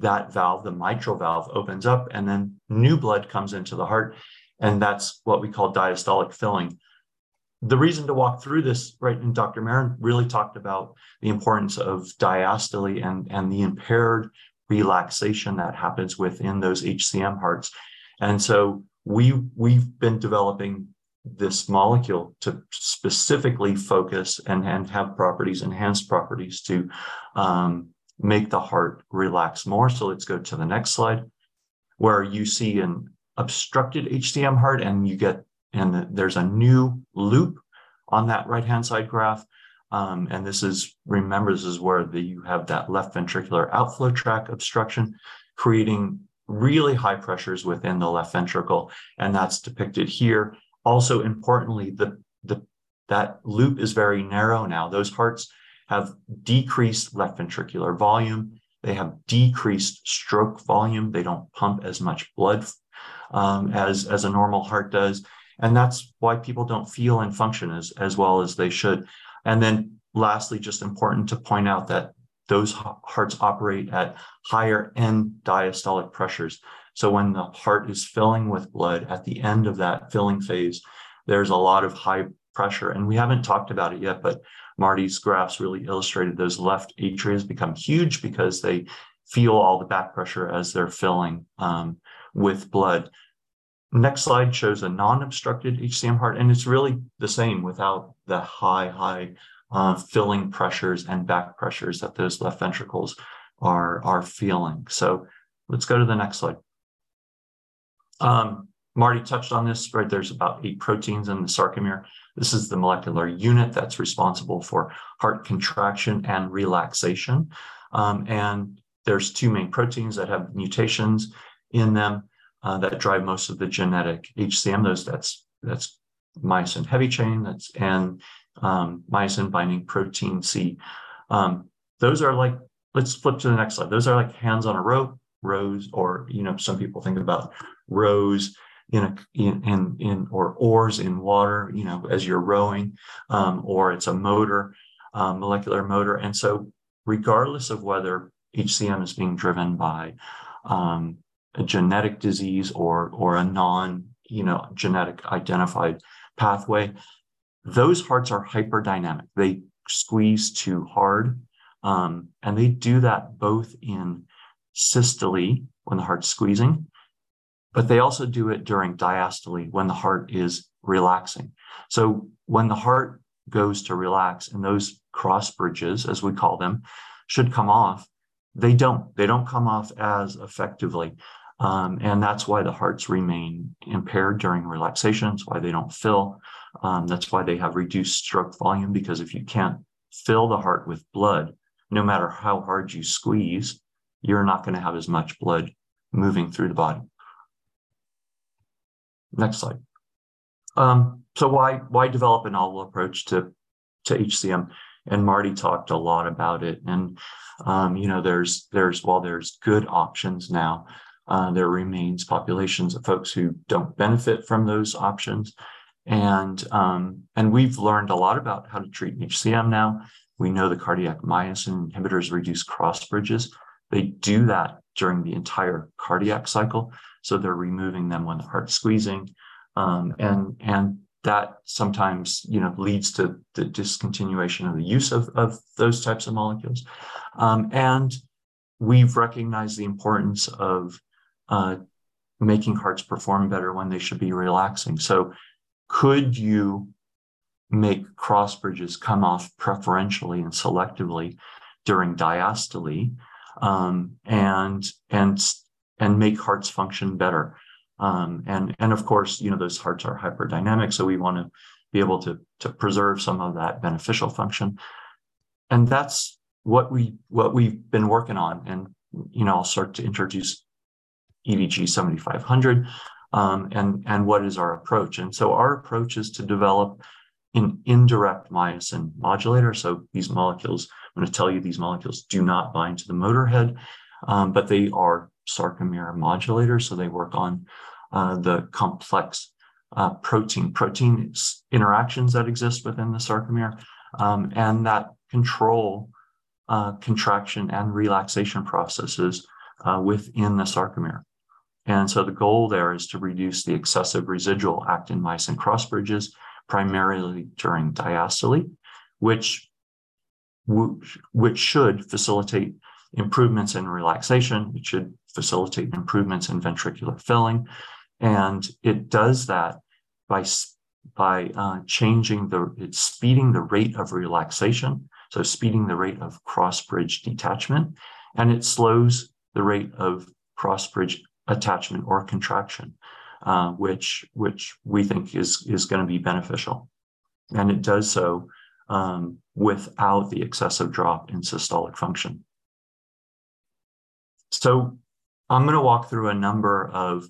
that valve, the mitral valve, opens up, and then new blood comes into the heart, and that's what we call diastolic filling. The reason to walk through this, right, Dr. Maron really talked about the importance of diastole and the impaired relaxation that happens within those HCM hearts. So we've been developing this molecule to specifically focus and have properties, enhanced properties to make the heart relax more. Let's go to the next slide, where you see an obstructed HCM heart, and you get, and there's a new loop on that right-hand side graph. remember, this is where you have that left ventricular outflow tract obstruction creating really high pressures within the left ventricle, and that's depicted here. Also importantly, the that loop is very narrow now. Those hearts have decreased left ventricular volume. They have decreased stroke volume. They don't pump as much blood, as a normal heart does, and that's why people don't feel and function as well as they should. Lastly, just important to point out that those hearts operate at higher end-diastolic pressures. When the heart is filling with blood, at the end of that filling phase, there's a lot of high pressure. We haven't talked about it yet, but Marty's graphs really illustrated those left atrias become huge because they feel all the back pressure as they're filling with blood. Next slide shows a non-obstructed HCM heart, and it's really the same without the high, high filling pressures and back pressures that those left ventricles are feeling. Let's go to the next slide. Marty touched on this, right? There's about eight proteins in the sarcomere. This is the molecular unit that's responsible for heart contraction and relaxation. And there's two main proteins that have mutations in them that drive most of the genetic HCM. Those That's myosin heavy chain. That's and myosin-binding protein C. Those are like. Let's flip to the next slide. Those are like hands on a rope, rows, or, you know, some people think about rows or oars in water, you know, as you're rowing. Or it's a motor, molecular motor. Regardless of whether HCM is being driven by a genetic disease or a non, you know, genetic identified pathway, those hearts are hyperdynamic. They squeeze too hard, and they do that both in systole, when the heart's squeezing, but they also do it during diastole, when the heart is relaxing. When the heart goes to relax and those cross bridges, as we call them, should come off, they don't. They don't come off as effectively. And that's why the hearts remain impaired during relaxation. It's why they don't fill. That's why they have reduced stroke volume because if you can't fill the heart with blood, no matter how hard you squeeze, you're not gonna have as much blood moving through the body. Next slide. Why develop a novel approach to HCM? Marty talked a lot about it. You know, there's while there's good options now, there remains populations of folks who don't benefit from those options. We've learned a lot about how to treat HCM now. We know the cardiac myosin inhibitors reduce cross bridges. They do that during the entire cardiac cycle, so they're removing them when the heart's squeezing. That sometimes, you know, leads to the discontinuation of the use of those types of molecules. We've recognized the importance of making hearts perform better when they should be relaxing. Could you make cross bridges come off preferentially and selectively during diastole, and make hearts function better? Of course, you know, those hearts are hyperdynamic, so we wanna be able to preserve some of that beneficial function. That's what we've been working on. You know, I'll start to introduce EDG-7500. What is our approach? Our approach is to develop an indirect myosin modulator. These molecules, I'm gonna tell you these molecules do not bind to the motorhead, but they are sarcomere modulators, so they work on the complex protein-protein interactions that exist within the sarcomere, and that control contraction and relaxation processes within the sarcomere. The goal there is to reduce the excessive residual actin-myosin cross-bridges, primarily during diastole, which should facilitate improvements in relaxation. It should facilitate improvements in ventricular filling. It does that by changing it's speeding the rate of relaxation, so speeding the rate of cross-bridge detachment, and it slows the rate of cross-bridge attachment or contraction, which we think is gonna be beneficial. It does so without the excessive drop in systolic function. I'm gonna walk through a number of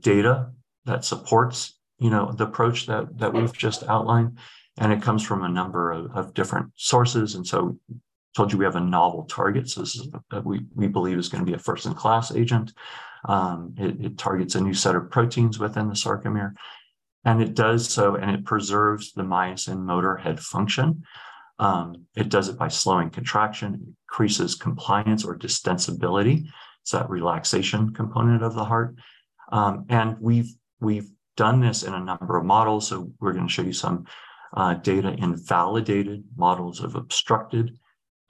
data that supports, you know, the approach that we've just outlined, and it comes from a number of different sources. Told you we have a novel target. This is we believe is gonna be a first-in-class agent. It targets a new set of proteins within the sarcomere, and it does so and it preserves the myosin motor head function. It does it by slowing contraction. It increases compliance or distensibility, so that relaxation component of the heart. We've done this in a number of models. We're gonna show you some data in validated models of obstructed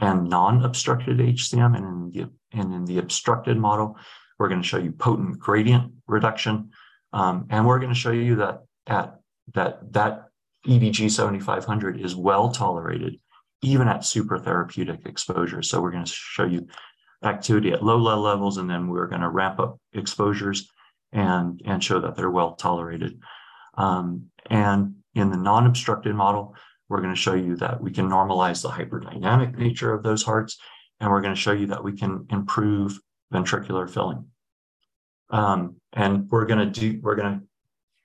and non-obstructed HCM. In the obstructed model, we're gonna show you potent gradient reduction. We're gonna show you that EDG-7500 is well-tolerated even at super therapeutic exposure. We're gonna show you activity at low levels, and then we're gonna ramp up exposures and show that they're well-tolerated. In the non-obstructed model, we're gonna show you that we can normalize the hyperdynamic nature of those hearts, and we're gonna show you that we can improve ventricular filling. We're gonna, you know,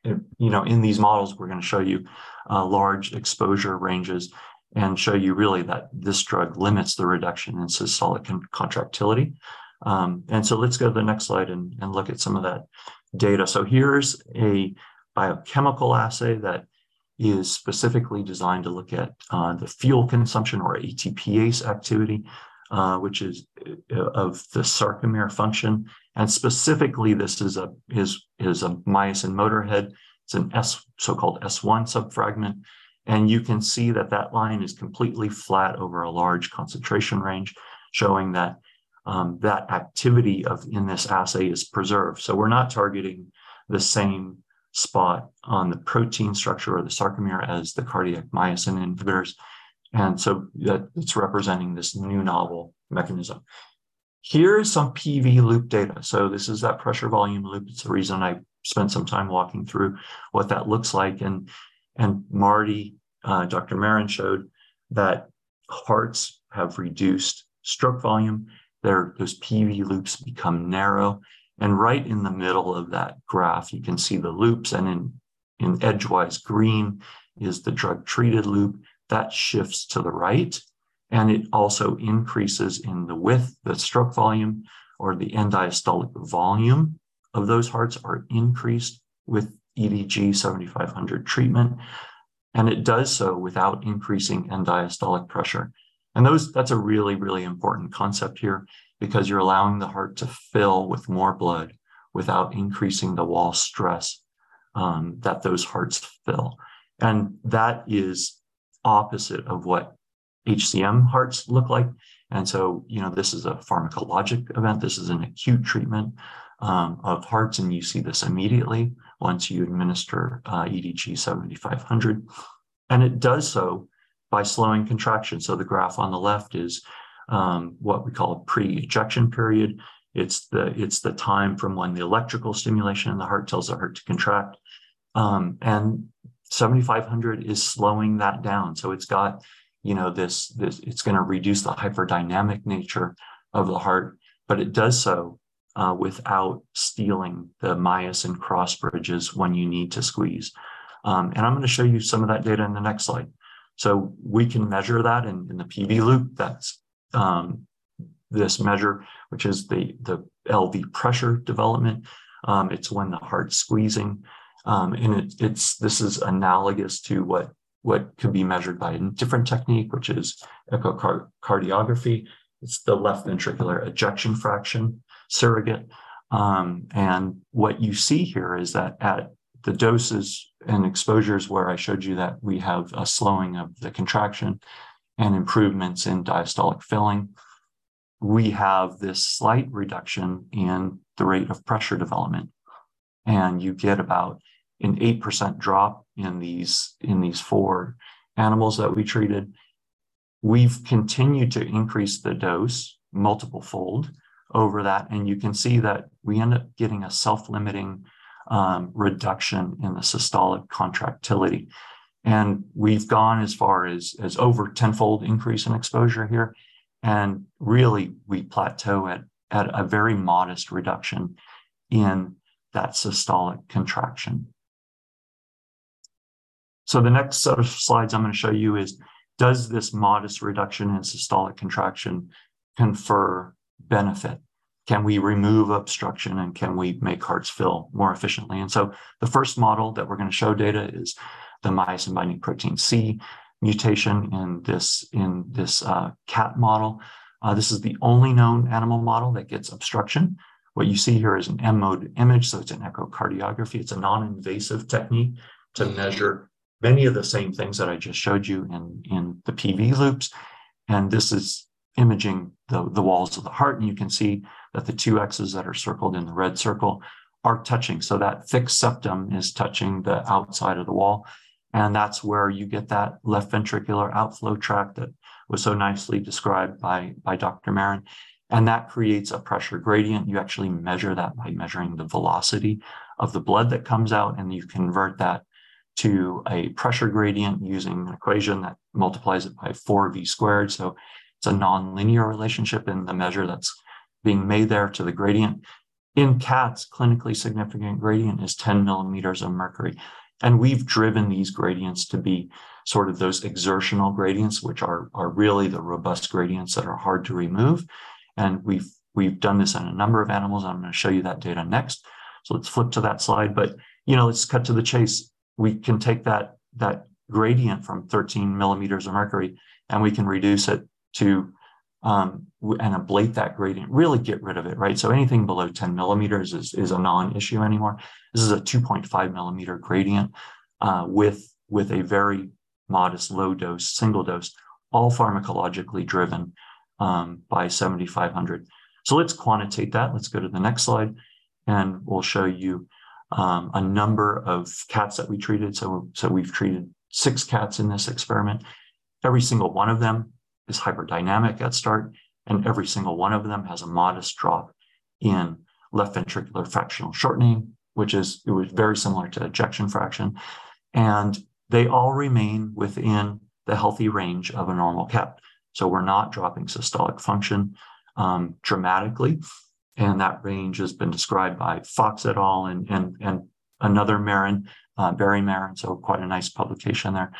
in these models, we're gonna show you large exposure ranges and show you really that this drug limits the reduction in systolic contractility. Let's go to the next slide and look at some of that data. Here's a biochemical assay that is specifically designed to look at the fuel consumption or ATPase activity, which is of the sarcomere function. Specifically, this is a myosin motor head. It's an S, so-called S1 subfragment. You can see that that line is completely flat over a large concentration range, showing that activity in this assay is preserved. We're not targeting the same spot on the protein structure or the sarcomere as the cardiac myosin inhibitors, and it's representing this new novel mechanism. Here's some PV loop data. This is that pressure-volume loop. It's the reason I spent some time walking through what that looks like. Marty, Dr. Maron showed that hearts have reduced stroke volume. Those PV loops become narrow. Right in the middle of that graph, you can see the loops. In edgewise green is the drug-treated loop. That shifts to the right, and it also increases in the width, the stroke volume or the end-diastolic volume of those hearts are increased with EDG-7500 treatment. It does so without increasing end-diastolic pressure. That's a really, really important concept here because you're allowing the heart to fill with more blood without increasing the wall stress that those hearts fill. That is opposite of what HCM hearts look like. You know, this is a pharmacologic event. This is an acute treatment of hearts, and you see this immediately once you administer EDG-7500. It does so by slowing contraction. The graph on the left is what we call pre-ejection period. It's the time from when the electrical stimulation in the heart tells the heart to contract. 7500 is slowing that down. It's got, you know, this, it's gonna reduce the hyperdynamic nature of the heart, but it does so without stealing the myosin cross-bridges when you need to squeeze. I'm gonna show you some of that data in the next slide. We can measure that in the PV loop. That's this measure, which is the LV pressure development. It's when the heart's squeezing. This is analogous to what could be measured by a different technique, which is echocardiography. It's the left ventricular ejection fraction surrogate. What you see here is that at the doses and exposures where I showed you that we have a slowing of the contraction and improvements in diastolic filling, we have this slight reduction in the rate of pressure development. You get about an 8% drop in these four animals that we treated. We've continued to increase the dose multiple-fold over that, you can see that we end up getting a self-limiting reduction in the systolic contractility. And we've gone as far as over tenfold increase in exposure here. Really we plateau at a very modest reduction in that systolic contraction. The next set of slides I'm gonna show you is, does this modest reduction in systolic contraction confer benefit? Can we remove obstruction, and can we make hearts fill more efficiently? The first model that we're gonna show data is the myosin-binding protein C mutation in this cat model. This is the only known animal model that gets obstruction. What you see here is an M-mode image, so it's an echocardiography. It's a non-invasive technique to measure many of the same things that I just showed you in the PV loops. This is imaging the walls of the heart, and you can see that the 2 X's that are circled in the red circle are touching. That thick septum is touching the outside of the wall, and that's where you get that left ventricular outflow tract that was so nicely described by Dr. Maron. That creates a pressure gradient. You actually measure that by measuring the velocity of the blood that comes out, and you convert that to a pressure gradient using an equation that multiplies it by 4 V squared. It's a nonlinear relationship in the measure that's being made there to the gradient. In cats, clinically significant gradient is 10 mm of mercury. We've driven these gradients to be sort of those exertional gradients, which are really the robust gradients that are hard to remove. We've done this on a number of animals. I'm gonna show you that data next. Let's flip to that slide. You know, let's cut to the chase. We can take that gradient from 13 mm of mercury, and we can reduce it to and ablate that gradient. Really get rid of it, right? Anything below 10 mm is a non-issue anymore. This is a 2.5 mm gradient with a very modest low dose, single dose, all pharmacologically driven by EDG-7500. Let's quantitate that. Let's go to the next slide, and we'll show you a number of cats that we treated. We've treated six cats in this experiment. Every single one of them is hyperdynamic at start, and every single one of them has a modest drop in left ventricular fractional shortening, it was very similar to ejection fraction. They all remain within the healthy range of a normal cat. We're not dropping systolic function dramatically. That range has been described by Fox et al. and another Maron, Barry Maron, so quite a nice publication there.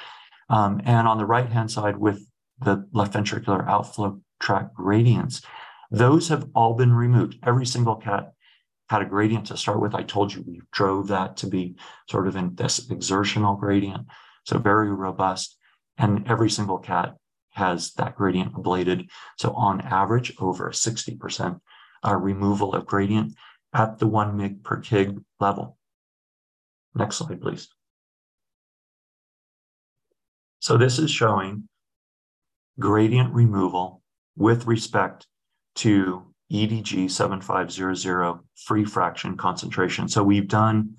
On the right-hand side with the left ventricular outflow tract gradients, those have all been removed. Every single cat had a gradient to start with. I told you, we drove that to be sort of in this exertional gradient, so very robust. Every single cat has that gradient ablated, so on average, over 60% removal of gradient at the 1 mg per kg level. Next slide, please. This is showing gradient removal with respect to EDG-7500 free fraction concentration. We've done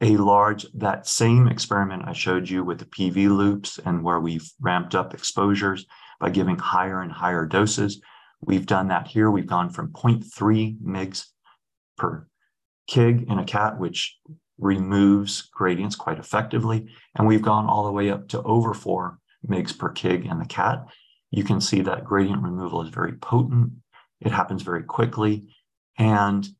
that same experiment I showed you with the PV loops and where we've ramped up exposures by giving higher and higher doses. We've done that here. We've gone from 0.3 mg per kg in a cat, which removes gradients quite effectively, and we've gone all the way up to over 4 mg per kg in a cat. You can see that gradient removal is very potent. It happens very quickly. As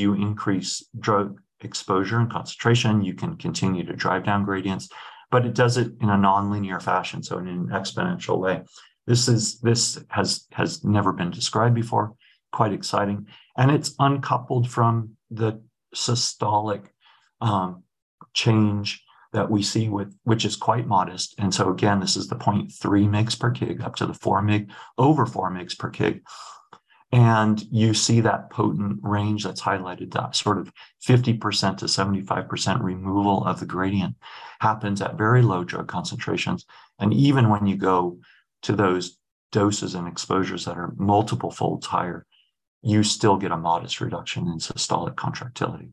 you increase drug exposure and concentration, you can continue to drive down gradients, but it does it in a nonlinear fashion, so in an exponential way. This has never been described before. Quite exciting. It's uncoupled from the systolic change that we see which is quite modest. Again, this is the 0.3 mg per kg up to the 4 mg, over 4 mg per kg. You see that potent range that's highlighted, that sort of 50%-75% removal of the gradient happens at very low drug concentrations. Even when you go to those doses and exposures that are multiple folds higher, you still get a modest reduction in systolic contractility.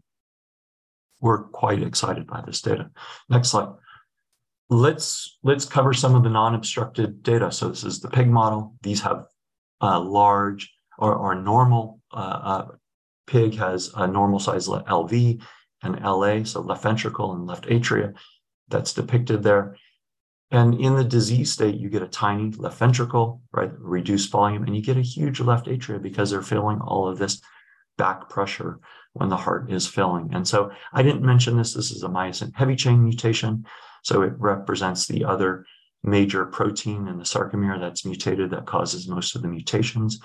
We're quite excited by this data. Next slide. Let's cover some of the non-obstructed data. This is the pig model. These have large or normal pig has a normal-sized LV and LA, so left ventricle and left atria. That's depicted there. In the disease state, you get a tiny left ventricle, right? Reduced volume. You get a huge left atria because they're filling all of this back pressure when the heart is filling. I didn't mention this. This is a myosin heavy chain mutation. It represents the other major protein in the sarcomere that's mutated that causes most of the mutations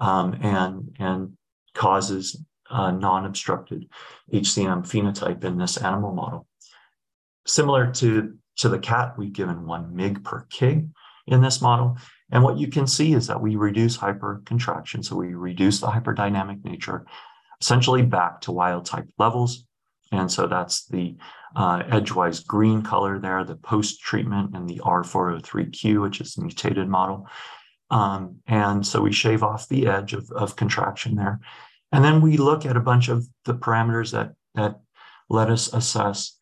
and causes a non-obstructed HCM phenotype in this animal model. Similar to the cat, we've given 1 mg per kg in this model. What you can see is that we reduce hypercontraction, so we reduce the hyperdynamic nature essentially back to wild type levels. That's the Edgewise green color there, the post-treatment and the R403Q, which is the mutated model. We shave off the edge of contraction there. We look at a bunch of the parameters that let us assess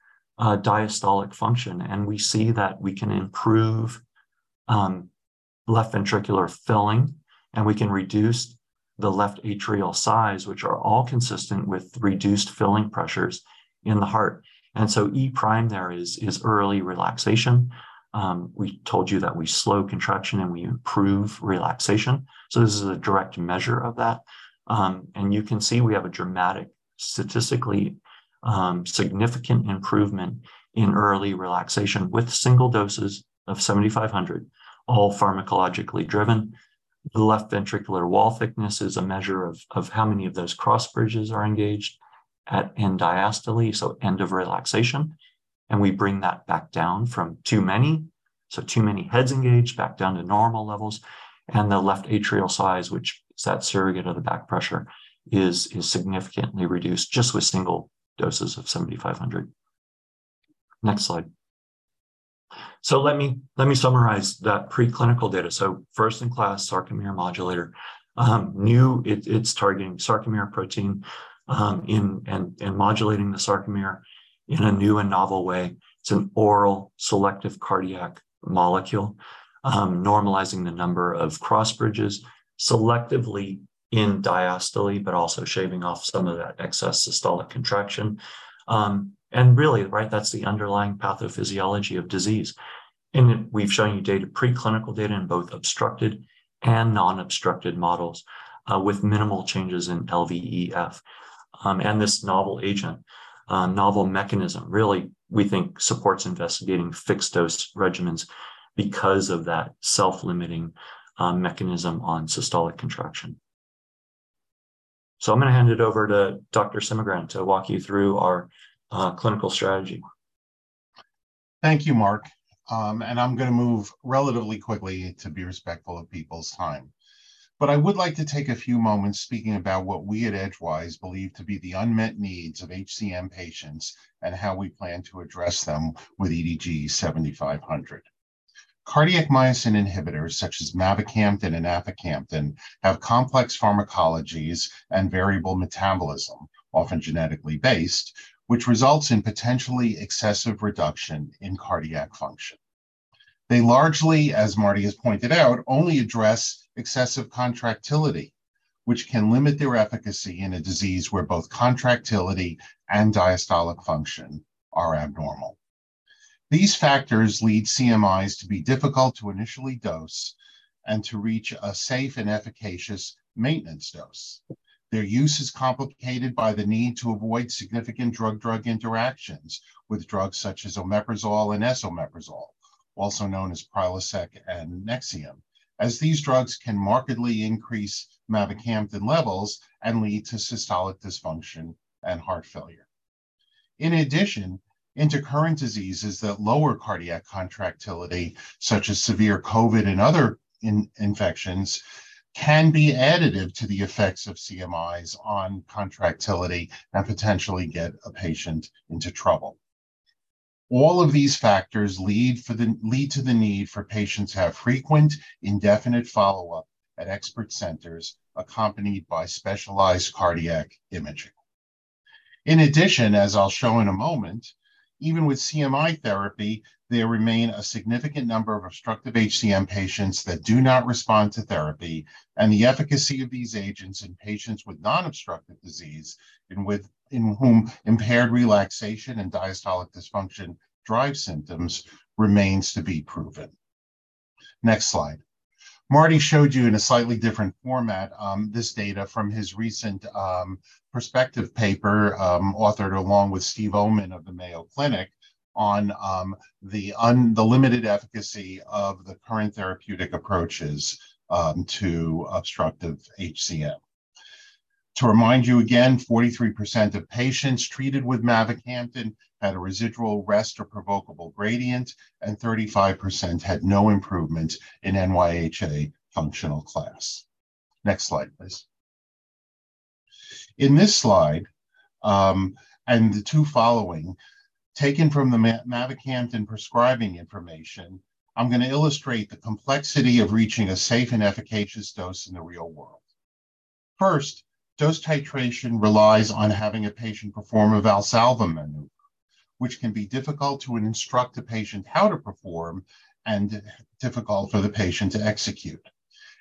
diastolic function, and we see that we can improve left ventricular filling, and we can reduce the left atrial size, which are all consistent with reduced filling pressures in the heart. E-prime there is early relaxation. We told you that we slow contraction and we improve relaxation, this is a direct measure of that. You can see we have a dramatic statistically significant improvement in early relaxation with single doses of 7500, all pharmacologically driven. The left ventricular wall thickness is a measure of how many of those cross bridges are engaged at end diastole, so end of relaxation. We bring that back down from too many, so too many heads engaged back down to normal levels. The left atrial size, which is that surrogate of the back pressure, is significantly reduced just with single doses of EDG-7500. Next slide. Let me summarize that preclinical data. First-in-class sarcomere modulator. It's targeting sarcomere protein in and modulating the sarcomere in a new and novel way. It's an oral selective cardiac molecule, normalizing the number of cross bridges selectively in diastole, but also shaving off some of that excess systolic contraction. Really, right, that's the underlying pathophysiology of disease. We've shown you data, preclinical data in both obstructed and non-obstructed models, with minimal changes in LVEF. This novel agent, novel mechanism really we think supports investigating fixed-dose regimens because of that self-limiting mechanism on systolic contraction. I'm going to hand it over to Dr. Semigran to walk you through our clinical strategy. Thank you, Marc. I'm gonna move relatively quickly to be respectful of people's time. I would like to take a few moments speaking about what we at Edgewise believe to be the unmet needs of HCM patients and how we plan to address them with EDG-7500. Cardiac myosin inhibitors such as mavacamten and aficamten have complex pharmacologies and variable metabolism, often genetically based, which results in potentially excessive reduction in cardiac function. They largely, as Marty has pointed out, only address excessive contractility, which can limit their efficacy in a disease where both contractility and diastolic function are abnormal. These factors lead CMIs to be difficult to initially dose and to reach a safe and efficacious maintenance dose. Their use is complicated by the need to avoid significant drug-drug interactions with drugs such as omeprazole and esomeprazole, also known as Prilosec and Nexium, as these drugs can markedly increase mavacamten levels and lead to systolic dysfunction and heart failure. In addition, intercurrent diseases that lower cardiac contractility, such as severe COVID and other infections, can be additive to the effects of CMIs on contractility and potentially get a patient into trouble. All of these factors lead to the need for patients to have frequent indefinite follow-up at expert centers accompanied by specialized cardiac imaging. In addition, as I'll show in a moment, even with CMI therapy, there remain a significant number of obstructive HCM patients that do not respond to therapy, the efficacy of these agents in patients with non-obstructive disease and in whom impaired relaxation and diastolic dysfunction drive symptoms remains to be proven. Next slide. Marty showed you in a slightly different format, this data from his recent perspective paper, authored along with Steve Ommen of the Mayo Clinic on the limited efficacy of the current therapeutic approaches to obstructive HCM. To remind you again, 43% of patients treated with mavacamten had a residual rest or provokable gradient, and 35% had no improvement in NYHA functional class. Next slide, please. In this slide, and the two following, taken from the mavacamten prescribing information, I'm gonna illustrate the complexity of reaching a safe and efficacious dose in the real world. First, dose titration relies on having a patient perform a Valsalva maneuver, which can be difficult to instruct a patient how to perform and difficult for the patient to execute.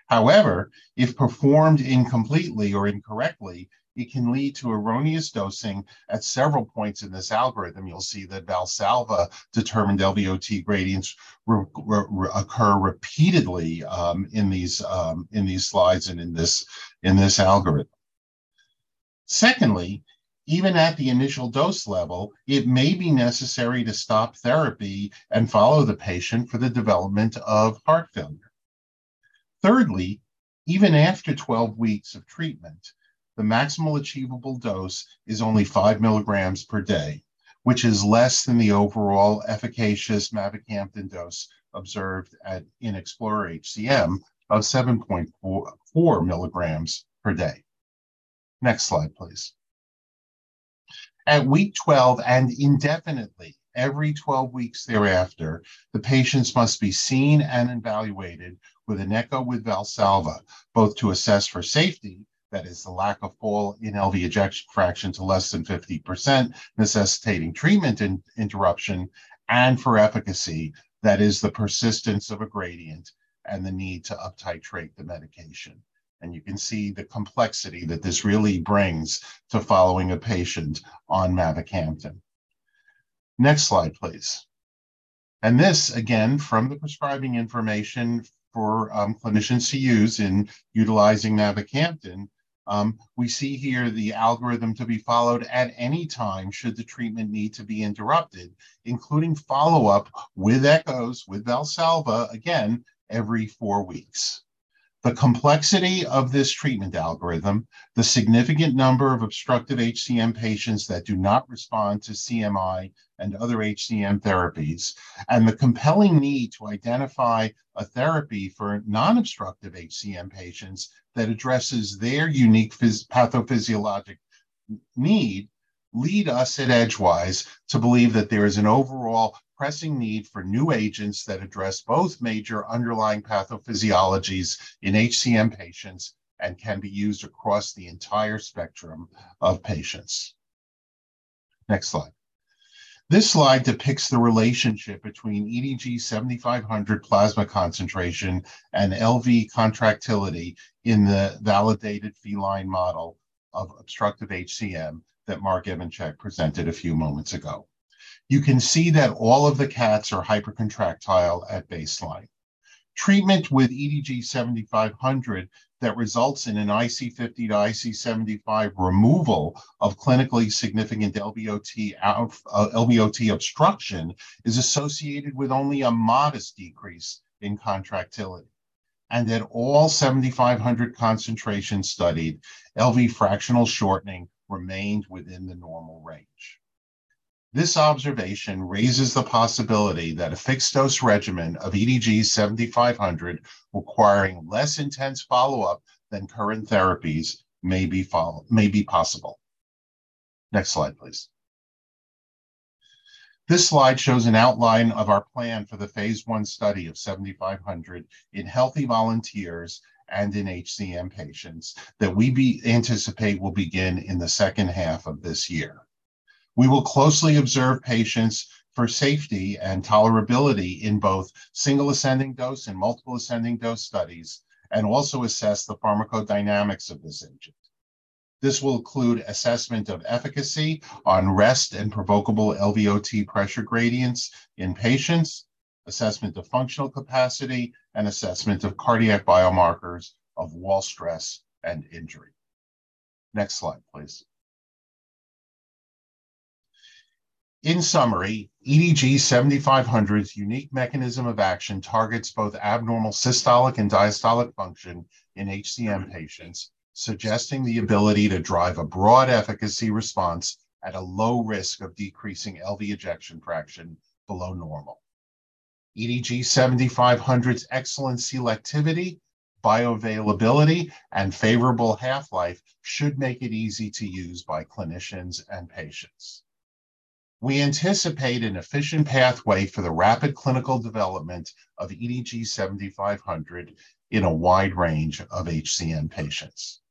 However, if performed incompletely or incorrectly, it can lead to erroneous dosing. At several points in this algorithm, you'll see that Valsalva-determined LVOT gradients re-occur repeatedly in these slides and in this algorithm. Secondly, even at the initial dose level, it may be necessary to stop therapy and follow the patient for the development of heart failure. Thirdly, even after 12 weeks of treatment, the maximal achievable dose is only 5 mg per day, which is less than the overall efficacious mavacamten dose observed in EXPLORER-HCM of 7.44 mg per day. Next slide, please. At week 12 and indefinitely every 12 weeks thereafter, the patients must be seen and evaluated with an echo with Valsalva, both to assess for safety. That is the lack of fall in LV ejection fraction to less than 50% necessitating treatment interruption and for efficacy, that is the persistence of a gradient and the need to uptitrate the medication. You can see the complexity that this really brings to following a patient on mavacamten. Next slide, please. This again, from the prescribing information for clinicians to use in utilizing mavacamten. We see here the algorithm to be followed at any time should the treatment need to be interrupted, including follow-up with echoes, with Valsalva, again, every 4 weeks. The complexity of this treatment algorithm, the significant number of obstructive HCM patients that do not respond to CMI and other HCM therapies, and the compelling need to identify a therapy for non-obstructive HCM patients that addresses their unique pathophysiologic need lead us at Edgewise to believe that there is an overall pressing need for new agents that address both major underlying pathophysiologies in HCM patients and can be used across the entire spectrum of patients. Next slide. This slide depicts the relationship between EDG-7500 plasma concentration and LV contractility in the validated feline model of obstructive HCM that Marc Evanchik presented a few moments ago. You can see that all of the cats are hypercontractile at baseline. Treatment with EDG-7500 that results in an IC50 to IC75 removal of clinically significant LVOT obstruction is associated with only a modest decrease in contractility, and that all 7500 concentration studied, LV fractional shortening remained within the normal range. This observation raises the possibility that a fixed dose regimen of EDG-7500 requiring less intense follow-up than current therapies may be possible. Next slide, please. This slide shows an outline of our plan for the phase I study of 7500 in healthy volunteers and in HCM patients that we anticipate will begin in the second half of this year. We will closely observe patients for safety and tolerability in both single ascending dose and multiple ascending dose studies, and also assess the pharmacodynamics of this agent. This will include assessment of efficacy on rest and provokable LVOT pressure gradients in patients, assessment of functional capacity, and assessment of cardiac biomarkers of wall stress and injury. Next slide, please. In summary, EDG-7500's unique mechanism of action targets both abnormal systolic and diastolic function in HCM patients, suggesting the ability to drive a broad efficacy response at a low risk of decreasing LV ejection fraction below normal. EDG-7500's excellent selectivity, bioavailability, and favorable half-life should make it easy to use by clinicians and patients. We anticipate an efficient pathway for the rapid clinical development of EDG-7500 in a wide range of HCM patients.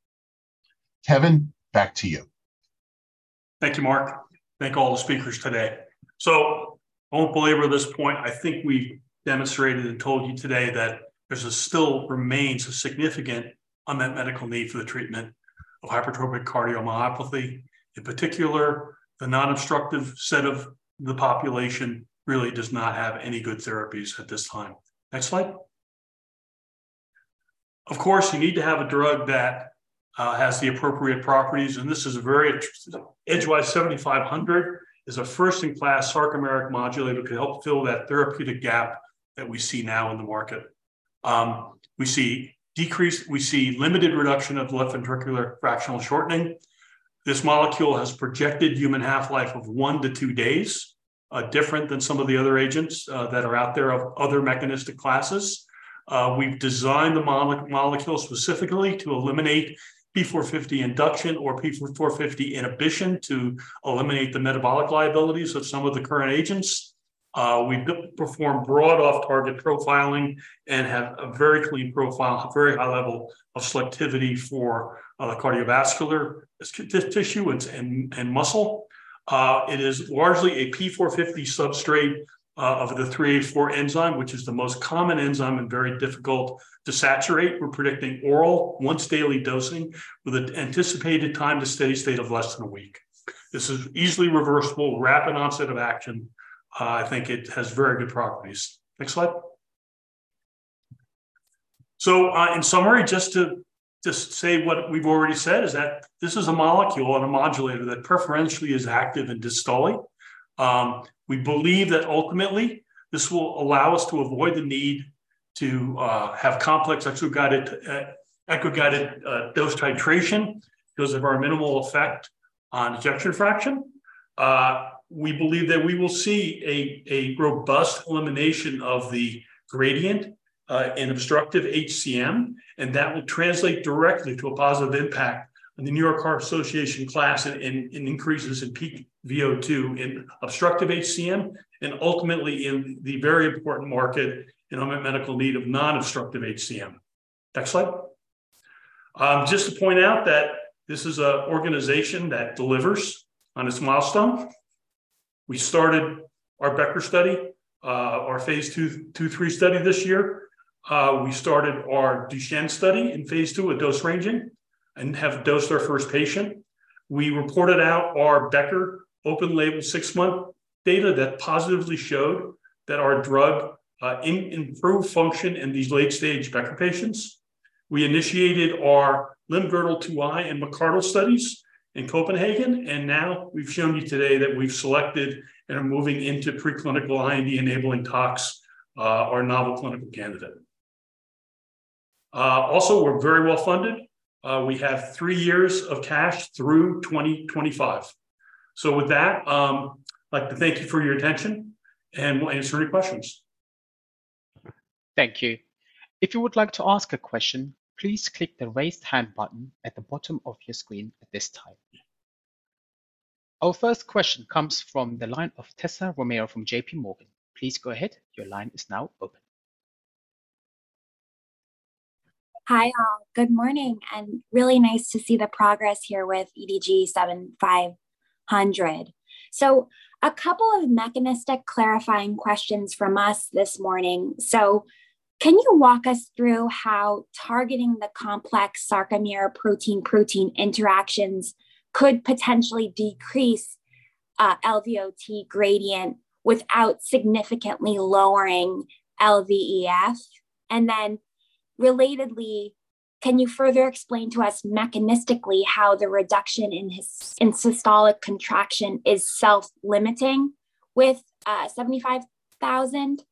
Kevin, back to you. Thank you, Marc. Thank all the speakers today. I won't belabor this point. I think we've demonstrated and told you today that there's a still remains a significant unmet medical need for the treatment of hypertrophic cardiomyopathy. In particular, the non-obstructive set of the population really does not have any good therapies at this time. Next slide. Of course, you need to have a drug that has the appropriate properties, and this is a very interesting. Edgewise 7500 is a first-in-class sarcomeric modulator to help fill that therapeutic gap that we see now in the market. We see limited reduction of left ventricular fractional shortening. This molecule has projected human half-life of one to two days, different than some of the other agents that are out there of other mechanistic classes. We've designed the molecules specifically to eliminate P450 induction or P450 inhibition to eliminate the metabolic liabilities of some of the current agents. We've performed broad off-target profiling and have a very clean profile, very high level of selectivity for cardiovascular tissue and muscle. It is largely a P450 substrate of the 3A4 enzyme, which is the most common enzyme and very difficult to saturate. We're predicting oral 1-daily dosing with an anticipated time to steady state of less than a week. This is easily reversible, rapid onset of action. I think it has very good properties. Next slide. In summary, just to say what we've already said is that this is a molecule and a modulator that preferentially is active and diastolic. We believe that ultimately this will allow us to avoid the need to have complex echo-guided dose titration because of our minimal effect on ejection fraction. We believe that we will see a robust elimination of the gradient in obstructive HCM, and that will translate directly to a positive impact. The New York Heart Association class increases in peak VO2 in obstructive HCM, and ultimately in the very important market in unmet medical need of non-obstructive HCM. Next slide. Just to point out that this is a organization that delivers on its milestone. We started our Becker study, our phase II/III study this year. We started our Duchenne study in phase II with dose ranging and have dosed our first patient. We reported out our Becker open label six-month data that positively showed that our drug, improved function in these late stage Becker patients. We initiated our Limb-girdle 2I and McArdle studies in Copenhagen. Now we've shown you today that we've selected and are moving into preclinical IND-enabling tox, our novel clinical candidate. Also, we're very well-funded. We have three years of cash through 2025. With that, like to thank you for your attention, and we'll answer any questions. Thank you. If you would like to ask a question, please click the Raise Hand button at the bottom of your screen at this time. Our first question comes from the line of Tessa Romero from JPMorgan. Please go ahead. Your line is now open. Hi, all. Good morning. Really nice to see the progress here with EDG-7500. A couple of mechanistic clarifying questions from us this morning. Can you walk us through how targeting the complex sarcomere protein-protein interactions could potentially decrease LVOT gradient without significantly lowering LVEF? Relatedly, can you further explain to us mechanistically how the reduction in systolic contraction is self-limiting with 7500?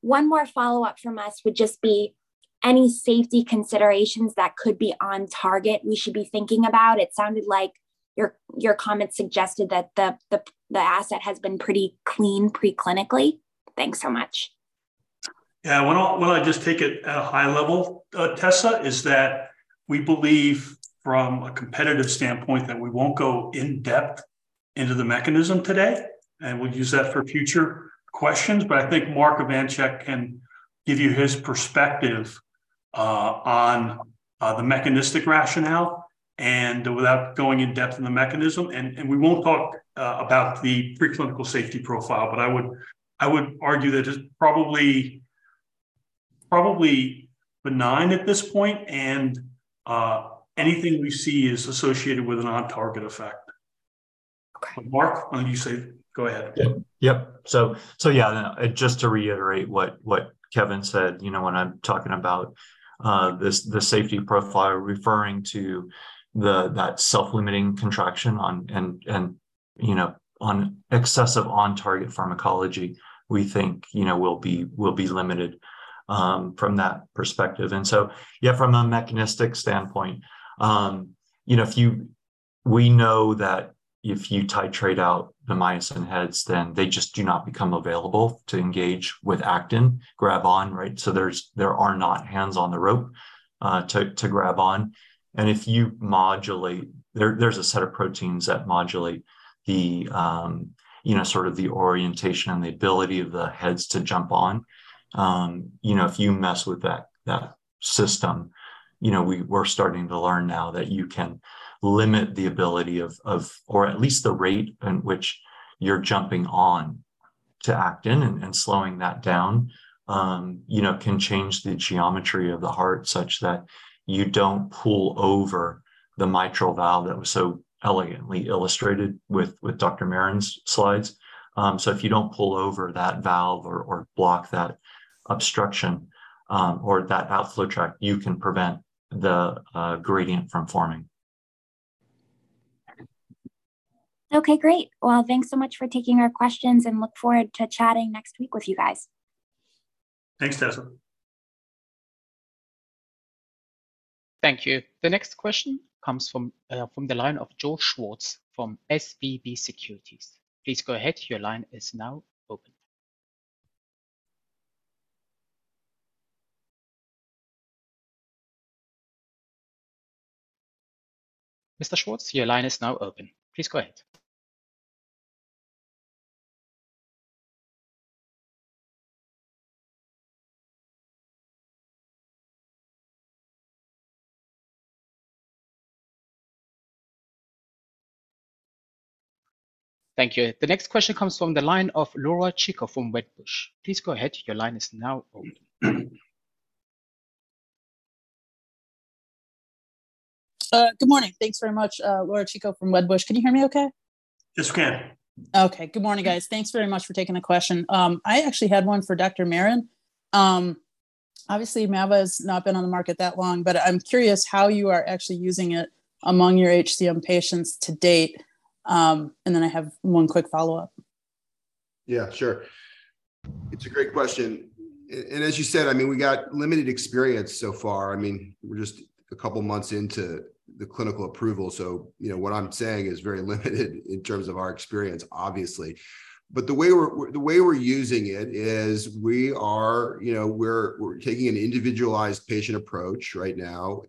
One more follow-up from us would just be any safety considerations that could be on target we should be thinking about. It sounded like your comment suggested that the asset has been pretty clean preclinically. Thanks so much. Yeah. Why don't I just take it at a high level, Tessa, is that we believe from a competitive standpoint that we won't go in-depth into the mechanism today, we'll use that for future questions. I think Marc Evanchik can give you his perspective on the mechanistic rationale and without going in-depth in the mechanism. We won't talk about the pre-clinical safety profile, but I would argue that it's probably benign at this point, and anything we see is associated with an on-target effect. Okay. Marc, why don't you say. Go ahead. Yeah. Yep. Yeah, no, just to reiterate what Kevin said, you know, when I'm talking about this, the safety profile referring to that self-limiting contraction on excessive on-target pharmacology, we think, you know, we'll be, we'll be limited from that perspective. Yeah, from a mechanistic standpoint, you know, we know that if you titrate out the myosin heads, then they just do not become available to engage with actin, grab on, right? There are not hands on the rope to grab on. If you modulate. There's a set of proteins that modulate the, you know, sort of the orientation and the ability of the heads to jump on. You know, if you mess with that system, you know, we're starting to learn now that you can limit the ability of or at least the rate at which you're jumping on to actin and slowing that down, you know, can change the geometry of the heart such that you don't pull over the mitral valve that was so elegantly illustrated with Dr. Maron's slides. If you don't pull over that valve or block that obstruction or that outflow tract, you can prevent the gradient from forming. Okay, great. Well, thanks so much for taking our questions, and look forward to chatting next week with you guys. Thanks, Tessa. Thank you. The next question comes from the line of Joe Schwartz from SVB Securities. Please go ahead. Your line is now open. Mr. Schwartz, your line is now open. Please go ahead. Thank you. The next question comes from the line of Laura Chico from Wedbush. Please go ahead. Your line is now open. Good morning. Thanks very much. Laura Chico from Wedbush. Can you hear me okay? Yes, we can. Okay. Good morning, guys. Thanks very much for taking the question. I actually had one for Dr. Maron. Obviously, Mava's not been on the market that long, but I'm curious how you are actually using it among your HCM patients to date. I have one quick follow-up. Yeah, sure. It's a great question. As you said, I mean, we got limited experience so far. I mean, we're just a couple months into the clinical approval, so, you know, what I'm saying is very limited in terms of our experience, obviously. The way we're using it is we are, you know, we're taking an individualized patient approach right now.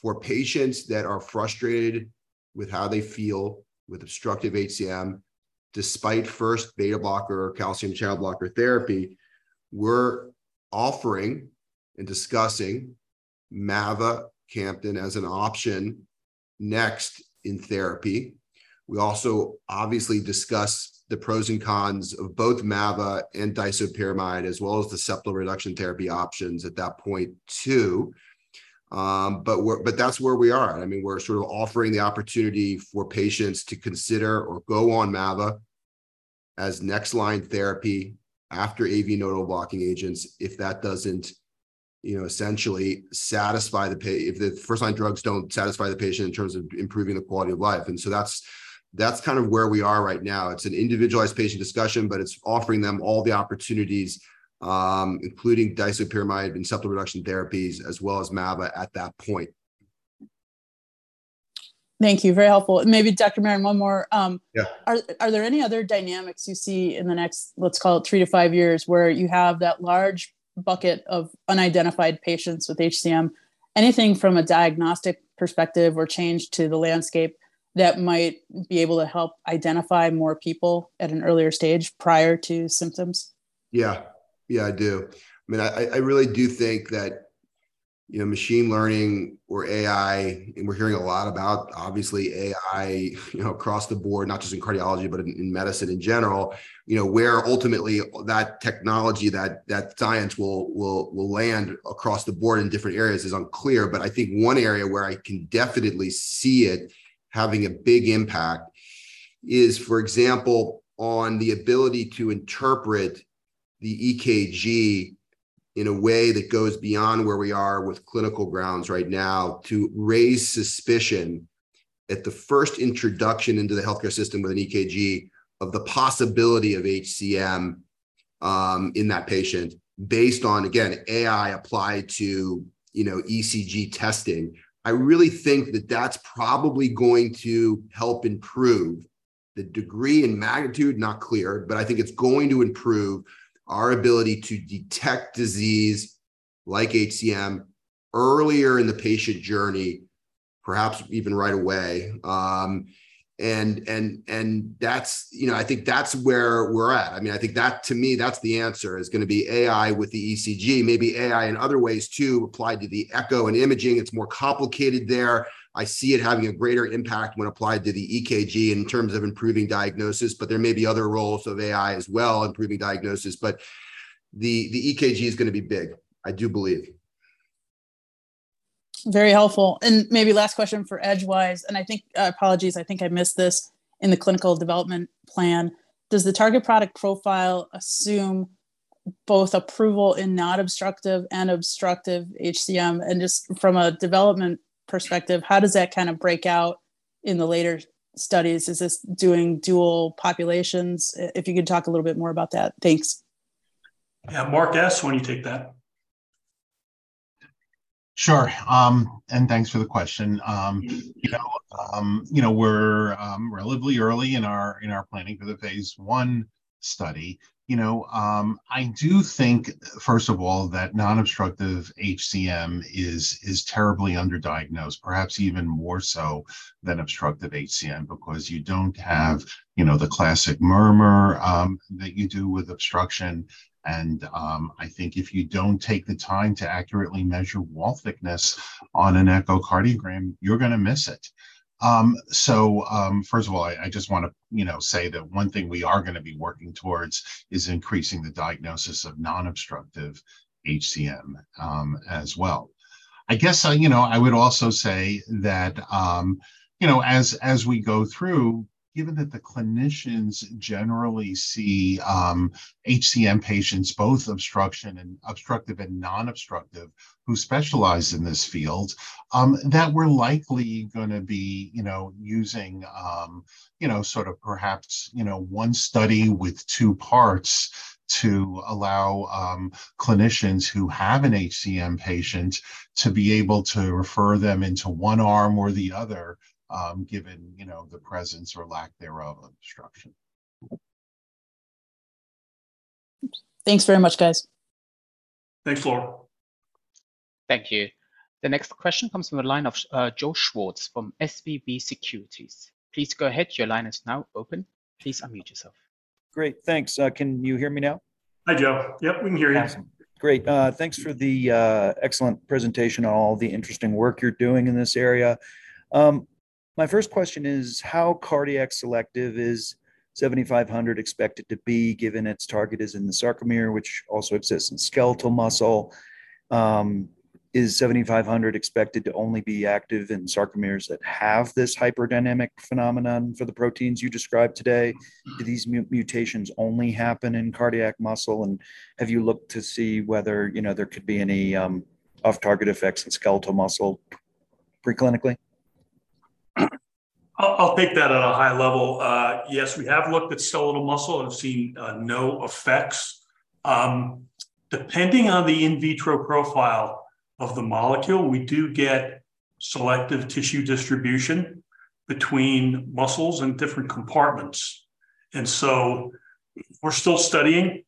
For patients that are frustrated with how they feel with obstructive HCM. Despite first beta blocker or calcium channel blocker therapy, we're offering and discussing mavacamten as an option next in therapy. We also obviously discuss the pros and cons of both mava and disopyramide, as well as the septal reduction therapy options at that point too. That's where we are. I mean, we're sort of offering the opportunity for patients to consider or go on mava as next line therapy after AV nodal blocking agents if that doesn't, you know, if the first-line drugs don't satisfy the patient in terms of improving the quality of life. That's, that's kind of where we are right now. It's an individualized patient discussion. It's offering them all the opportunities, including disopyramide and septal reduction therapies, as well as mava at that point. Thank you. Very helpful. Maybe, Dr. Maron, one more. Yeah. Are there any other dynamics you see in the next, let's call it 3 to 5 years, where you have that large bucket of unidentified patients with HCM? Anything from a diagnostic perspective or change to the landscape that might be able to help identify more people at an earlier stage prior to symptoms? Yeah. Yeah, I do. I mean, I, I really do think that, you know, machine learning or AI, and we're hearing a lot about obviously AI, you know, across the board, not just in cardiology, but in medicine in general, you know, where ultimately that technology, that science will, will land across the board in different areas is unclear. I think one area where I can definitely see it having a big impact is, for example, on the ability to interpret the EKG in a way that goes beyond where we are with clinical grounds right now to raise suspicion at the first introduction into the healthcare system with an EKG of the possibility of HCM in that patient based on, again, AI applied to, you know, ECG testing. I really think that that's probably going to help improve the degree and magnitude, not clear, but I think it's going to improve our ability to detect disease like HCM earlier in the patient journey, perhaps even right away. That's, you know, I think that's where we're at. I mean, I think that, to me, that's the answer is gonna be AI with the ECG, maybe AI in other ways too applied to the echo and imaging. It's more complicated there. I see it having a greater impact when applied to the EKG in terms of improving diagnosis, but there may be other roles of AI as well improving diagnosis. The EKG is gonna be big, I do believe. Very helpful. Maybe last question for Edgewise. Apologies, I think I missed this in the clinical development plan. Does the target product profile assume both approval in non-obstructive and obstructive HCM? Just from a development perspective, how does that kind of break out in the later studies? Is this doing dual populations? If you could talk a little bit more about that. Thanks. Yeah. Marc S., why don't you take that? Sure, thanks for the question. You know, you know, we're relatively early in our planning for the phase I study. You know, I do think, first of all, that non-obstructive HCM is terribly underdiagnosed, perhaps even more so than obstructive HCM, because you don't have, you know, the classic murmur that you do with obstruction. I think if you don't take the time to accurately measure wall thickness on an echocardiogram, you're gonna miss it. First of all, I just wanna, you know, say that one thing we are gonna be working towards is increasing the diagnosis of non-obstructive HCM as well. I guess, you know, I would also say that, you know, as we go through, given that the clinicians generally see HCM patients, both obstruction and obstructive and non-obstructive, who specialize in this field, that we're likely gonna be, you know, using, you know, sort of perhaps, you know, one study with two parts to allow clinicians who have an HCM patient to be able to refer them into one arm or the other, given, you know, the presence or lack thereof of obstruction. Thanks very much, guys. Thanks, Laura. Thank you. The next question comes from the line of Joe Schwartz from SVB Securities. Please go ahead. Your line is now open. Please unmute yourself. Great. Thanks. Can you hear me now? Hi, Joe. Yep, we can hear you. Awesome. Great. Thanks for the excellent presentation and all the interesting work you're doing in this area. My first question is how cardiac selective is EDG-7500 expected to be given its target is in the sarcomere, which also exists in skeletal muscle? Is EDG-7500 expected to only be active in sarcomeres that have this hyperdynamic phenomenon for the proteins you described today? Do these mutations only happen in cardiac muscle? Have you looked to see whether, you know, there could be any off-target effects in skeletal muscle preclinically? I'll take that at a high level. Yes, we have looked at skeletal muscle and have seen no effects. Depending on the in vitro profile of the molecule, we do get selective tissue distribution between muscles and different compartments. we're still studying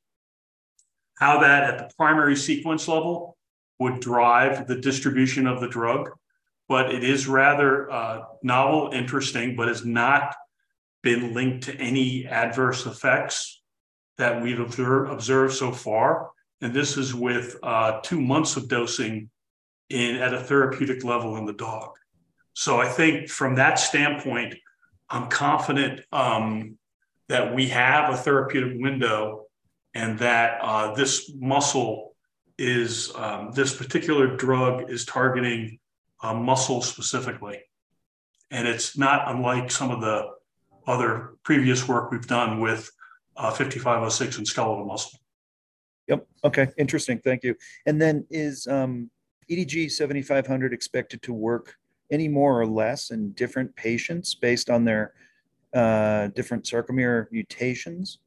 how that at the primary sequence level would drive the distribution of the drug. It is rather novel, interesting, but has not been linked to any adverse effects that we've observed so far, and this is with 2 months of dosing at a therapeutic level in the dog. I think from that standpoint, I'm confident that we have a therapeutic window and that this muscle is, this particular drug is targeting a muscle specifically, and it's not unlike some of the other previous work we've done with EDG-5506 and skeletal muscle. Yep. Okay. Interesting. Thank you. Is EDG-7500 expected to work any more or less in different patients based on their different sarcomere mutations?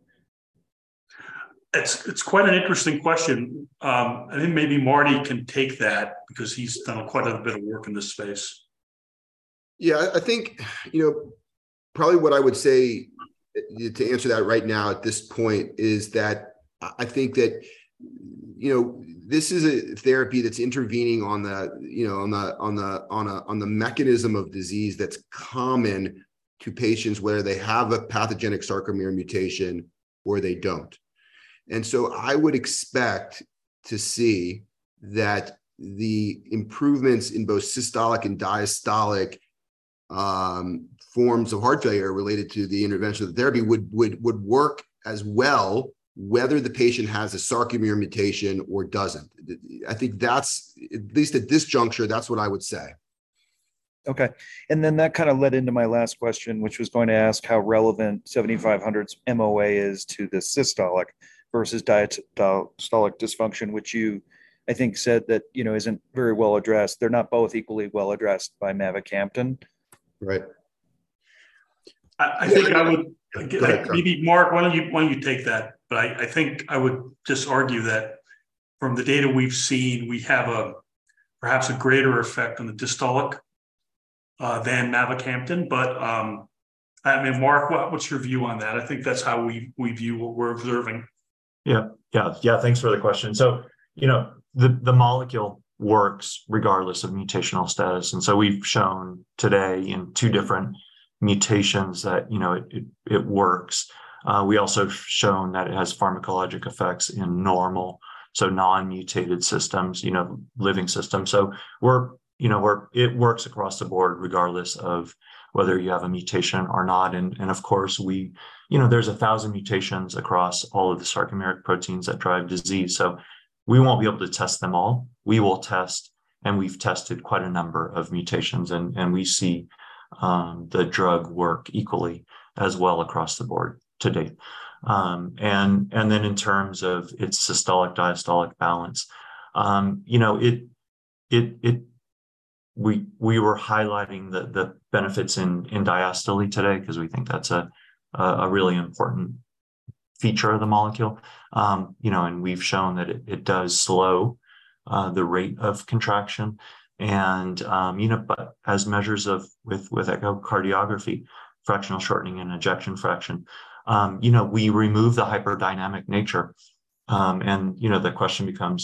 It's quite an interesting question. I think maybe Marty can take that because he's done quite a bit of work in this space. Yeah. I think, you know, probably what I would say to answer that right now at this point is that I think that, you know, this is a therapy that's intervening on the, you know, on the mechanism of disease that's common to patients whether they have a pathogenic sarcomere mutation or they don't. I would expect to see that the improvements in both systolic and diastolic forms of heart failure related to the intervention of therapy would work as well whether the patient has a sarcomere mutation or doesn't. I think that's at least at this juncture, that's what I would say. Okay. That kind of led into my last question, which was going to ask how relevant EDG-7500's MOA is to the systolic versus diastolic dysfunction, which you, I think, said that, you know, isn't very well addressed. They're not both equally well addressed by mavacamten. Right. I think I. Go ahead. Maybe Marc, why don't you take that? I think I would just argue that from the data we've seen, we have a perhaps a greater effect on the diastolic than mavacamten. I mean, Marc, what's your view on that? I think that's how we view what we're observing. Yeah. Yeah. Yeah, thanks for the question. You know, the molecule works regardless of mutational status, and so we've shown today in two different mutations that, you know, it works. We also have shown that it has pharmacologic effects in normal, so non-mutated systems, you know, living systems. You know, it works across the board regardless of whether you have a mutation or not. Of course, you know, there's 1,000 mutations across all of the sarcomeric proteins that drive disease, so we won't be able to test them all. We will test, and we've tested quite a number of mutations and we see the drug work equally as well across the board to date. Then in terms of its systolic diastolic balance, you know, we were highlighting the benefits in diastole today 'cause we think that's a really important feature of the molecule. You know, we've shown that it does slow the rate of contraction and, you know, but as measures of with echocardiography, fractional shortening and ejection fraction, you know, we remove the hyperdynamic nature. You know, the question becomes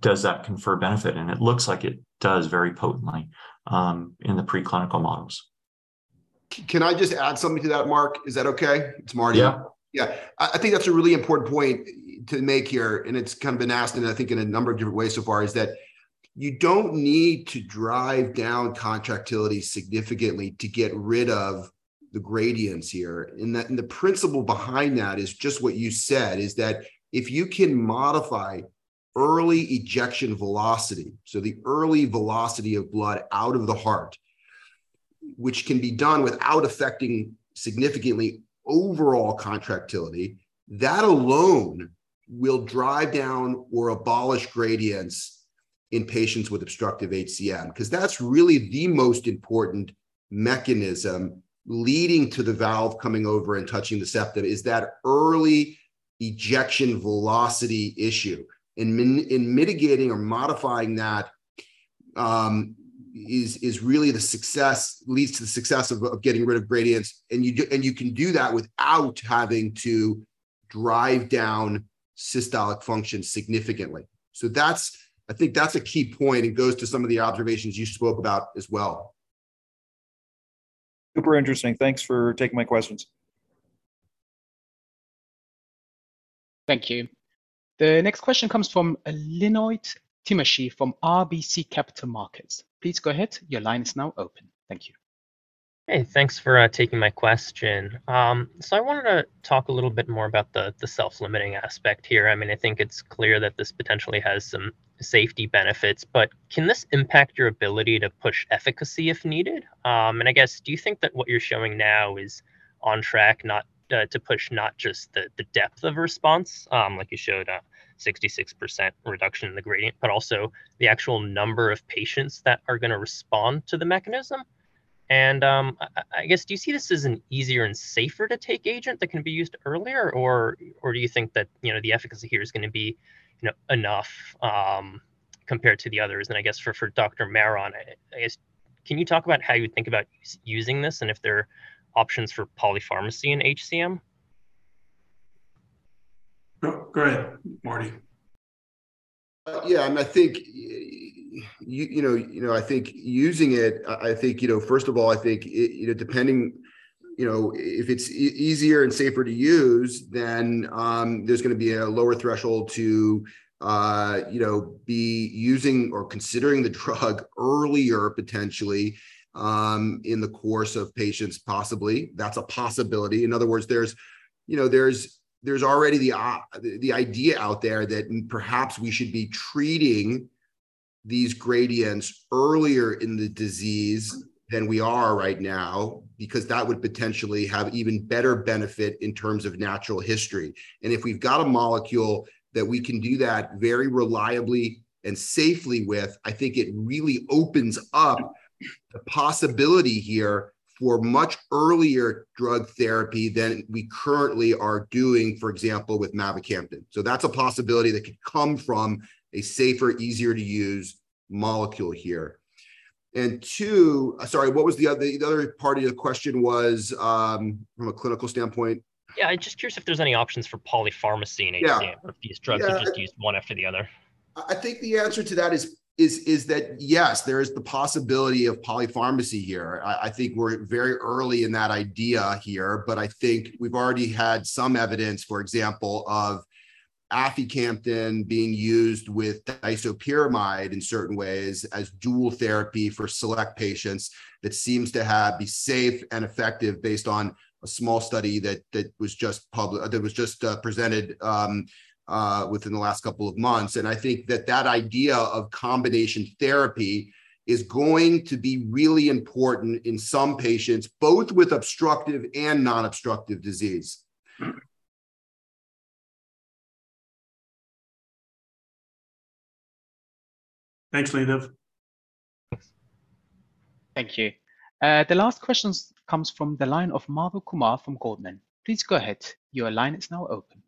does that confer benefit? It looks like it does very potently in the preclinical models. Can I just add something to that, Marc? Is that okay? It's Marty. Yeah. Yeah. I think that's a really important point to make here, and it's kind of been asked and I think in a number of different ways so far, is that you don't need to drive down contractility significantly to get rid of the gradients here. The principle behind that is just what you said, is that if you can modify early ejection velocity, so the early velocity of blood out of the heart, which can be done without affecting significantly overall contractility, that alone will drive down or abolish gradients in patients with obstructive HCM. 'Cause that's really the most important mechanism leading to the valve coming over and touching the septum is that early ejection velocity issue. Mitigating or modifying that is really the success, leads to the success of getting rid of gradients. You can do that without having to drive down systolic function significantly. I think that's a key point. It goes to some of the observations you spoke about as well. Super interesting. Thanks for taking my questions. Thank you. The next question comes from Leonid Timashev from RBC Capital Markets. Please go ahead. Your line is now open. Thank you. Hey, thanks for taking my question. I wanted to talk a little bit more about the self-limiting aspect here. I mean, I think it's clear that this potentially has some safety benefits, but can this impact your ability to push efficacy if needed? I guess, do you think that what you're showing now is on track not to push not just the depth of response, like you showed, a 66% reduction in the gradient, but also the actual number of patients that are gonna respond to the mechanism? I guess, do you see this as an easier and safer to take agent that can be used earlier, or do you think that, you know, the efficacy here is gonna be, you know, enough compared to the others? I guess for Dr. Maron, I guess. Can you talk about how you think about using this and if there are options for polypharmacy in HCM? Go ahead, Marty. Yeah. I think you know, you know, I think using it, I think, you know, first of all, I think it, depending, if it's easier and safer to use then, there's gonna be a lower threshold to be using or considering the drug earlier potentially in the course of patients possibly. That's a possibility. In other words, there's already the idea out there that perhaps we should be treating these gradients earlier in the disease than we are right now, because that would potentially have even better benefit in terms of natural history. If we've got a molecule that we can do that very reliably and safely with, I think it really opens up the possibility here for much earlier drug therapy than we currently are doing, for example, with mavacamten. That's a possibility that could come from a safer, easier to use molecule here. Sorry, what was the other part of the question was, from a clinical standpoint? Yeah, just curious if there's any options for polypharmacy in HCM? Yeah. If these drugs are just used one after the other. I think the answer to that is that, yes, there is the possibility of polypharmacy here. I think we're very early in that idea here, but I think we've already had some evidence, for example, of aficamten being used with disopyramide in certain ways as dual therapy for select patients that seems to be safe and effective based on a small study that was just presented within the last couple of months. I think that that idea of combination therapy is going to be really important in some patients, both with obstructive and non-obstructive disease. Thanks, Leonid. Thank you. The last questions comes from the line of Madhu Kumar from Goldman. Please go ahead. Your line is now open.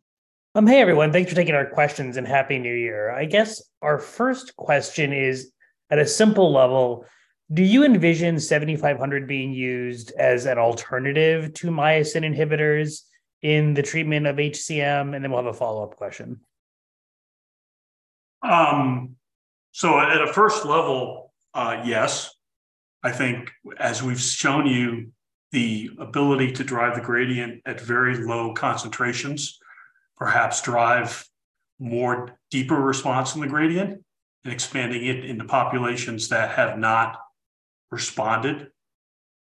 Hey, everyone. Thanks for taking our questions, and Happy New Year. I guess our first question is, at a simple level, do you envision EDG-7500 being used as an alternative to myosin inhibitors in the treatment of HCM? Then we'll have a follow-up question. At a first level, yes. I think as we've shown you the ability to drive the gradient at very low concentrations, perhaps drive more deeper response in the gradient and expanding it into populations that have not responded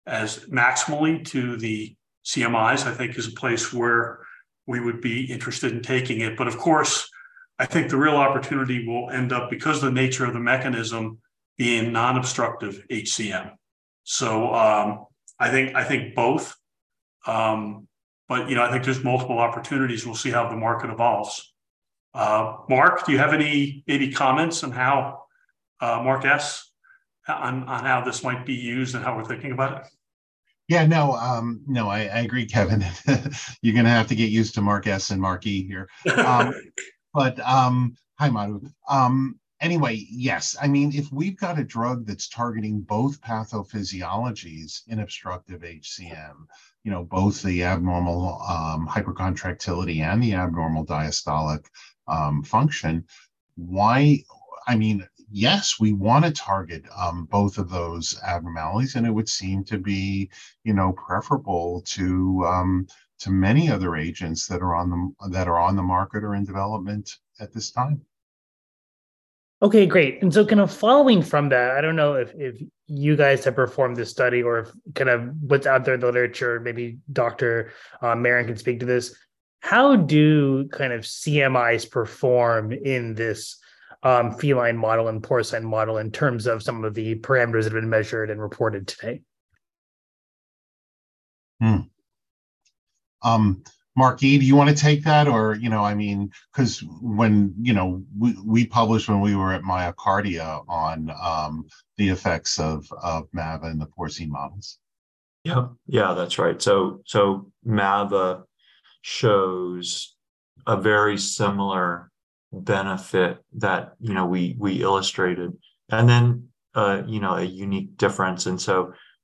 as maximally to the CMIs, I think is a place where we would be interested in taking it. Of course, I think the real opportunity will end up, because of the nature of the mechanism, being non-obstructive HCM. I think both. You know, I think there's multiple opportunities. We'll see how the market evolves. Marc, do you have any maybe comments on how Marc S, on how this might be used and how we're thinking about it? Yeah. No, no, I agree, Kevin. You're gonna have to get used to Marc S and Marc E here. Hi, Madhu. Anyway, yes. I mean, if we've got a drug that's targeting both pathophysiologies in obstructive HCM, you know, both the abnormal hypercontractility and the abnormal diastolic function, I mean, yes, we wanna target both of those abnormalities. It would seem to be, you know, preferable to many other agents that are on the market or in development at this time. Okay. Great. Kind of following from that, I don't know if you guys have performed this study or if kind of what's out there in the literature, maybe Dr. Maron can speak to this. How do kind of CMIs perform in this feline model and porcine model in terms of some of the parameters that have been measured and reported today? Marc E, do you wanna take that or, you know, I mean. 'Cause when, you know, we published when we were at MyoKardia on the effects of mava in the porcine models. Yep. Yeah, that's right. Mava shows a very similar benefit that, you know, we illustrated and then, you know, a unique difference.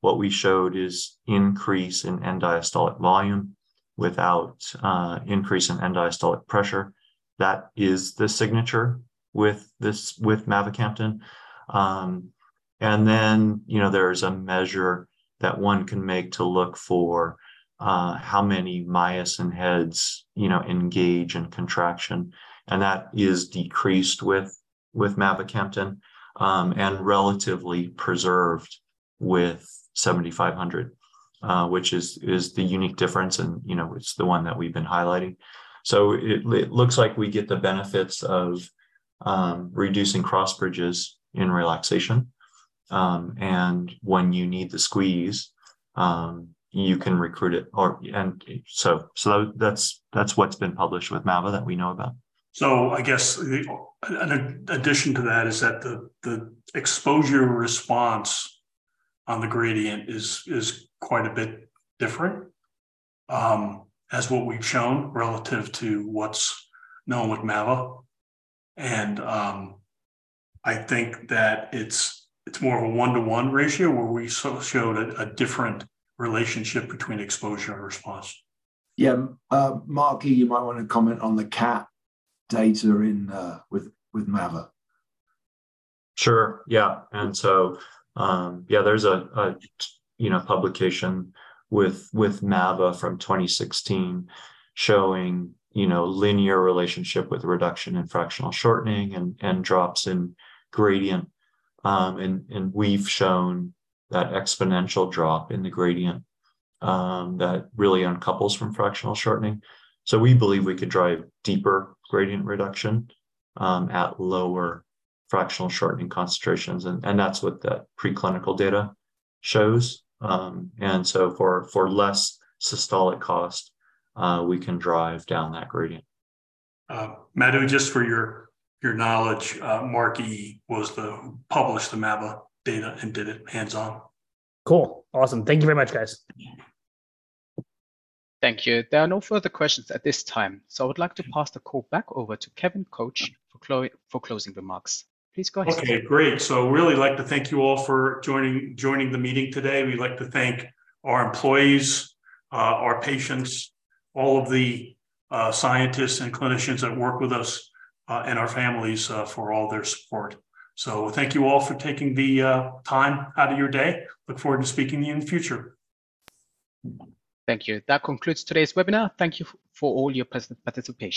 What we showed is increase in end-diastolic volume without increase in end-diastolic pressure. That is the signature with mavacamten. Then, you know, there's a measure that one can make to look for how many myosin heads, you know, engage in contraction, and that is decreased with mavacamten, and relatively preserved with 7500, which is the unique difference and, you know, it's the one that we've been highlighting. It looks like we get the benefits of reducing cross bridges in relaxation. When you need the squeeze, you can recruit it or. That's what's been published with mava that we know about. I guess an addition to that is that the exposure response on the gradient is quite a bit different, as what we've shown relative to what's known with mava. I think that it's more of a 1-to-1 ratio where we so showed a different relationship between exposure and response. Marc E, you might wanna comment on the cat data in with mava. Sure. Yeah. There's a, you know, publication with mava from 2016 showing, you know, linear relationship with the reduction in fractional shortening and drops in gradient. And we've shown that exponential drop in the gradient that really uncouples from fractional shortening. We believe we could drive deeper gradient reduction at lower fractional shortening concentrations, and that's what the preclinical data shows. For less systolic cost, we can drive down that gradient. Madhu, just for your knowledge, Marc E published the mava data and did it hands-on. Cool. Awesome. Thank you very much, guys. Thank you. There are no further questions at this time, I would like to pass the call back over to Kevin Koch for closing remarks. Please go ahead. Okay. Great. Really like to thank you all for joining the meeting today. We'd like to thank our employees, our patients, all of the scientists and clinicians that work with us, and our families, for all their support. Thank you all for taking the time out of your day. Look forward to speaking to you in the future. Thank you. That concludes today's webinar. Thank you for all your participation.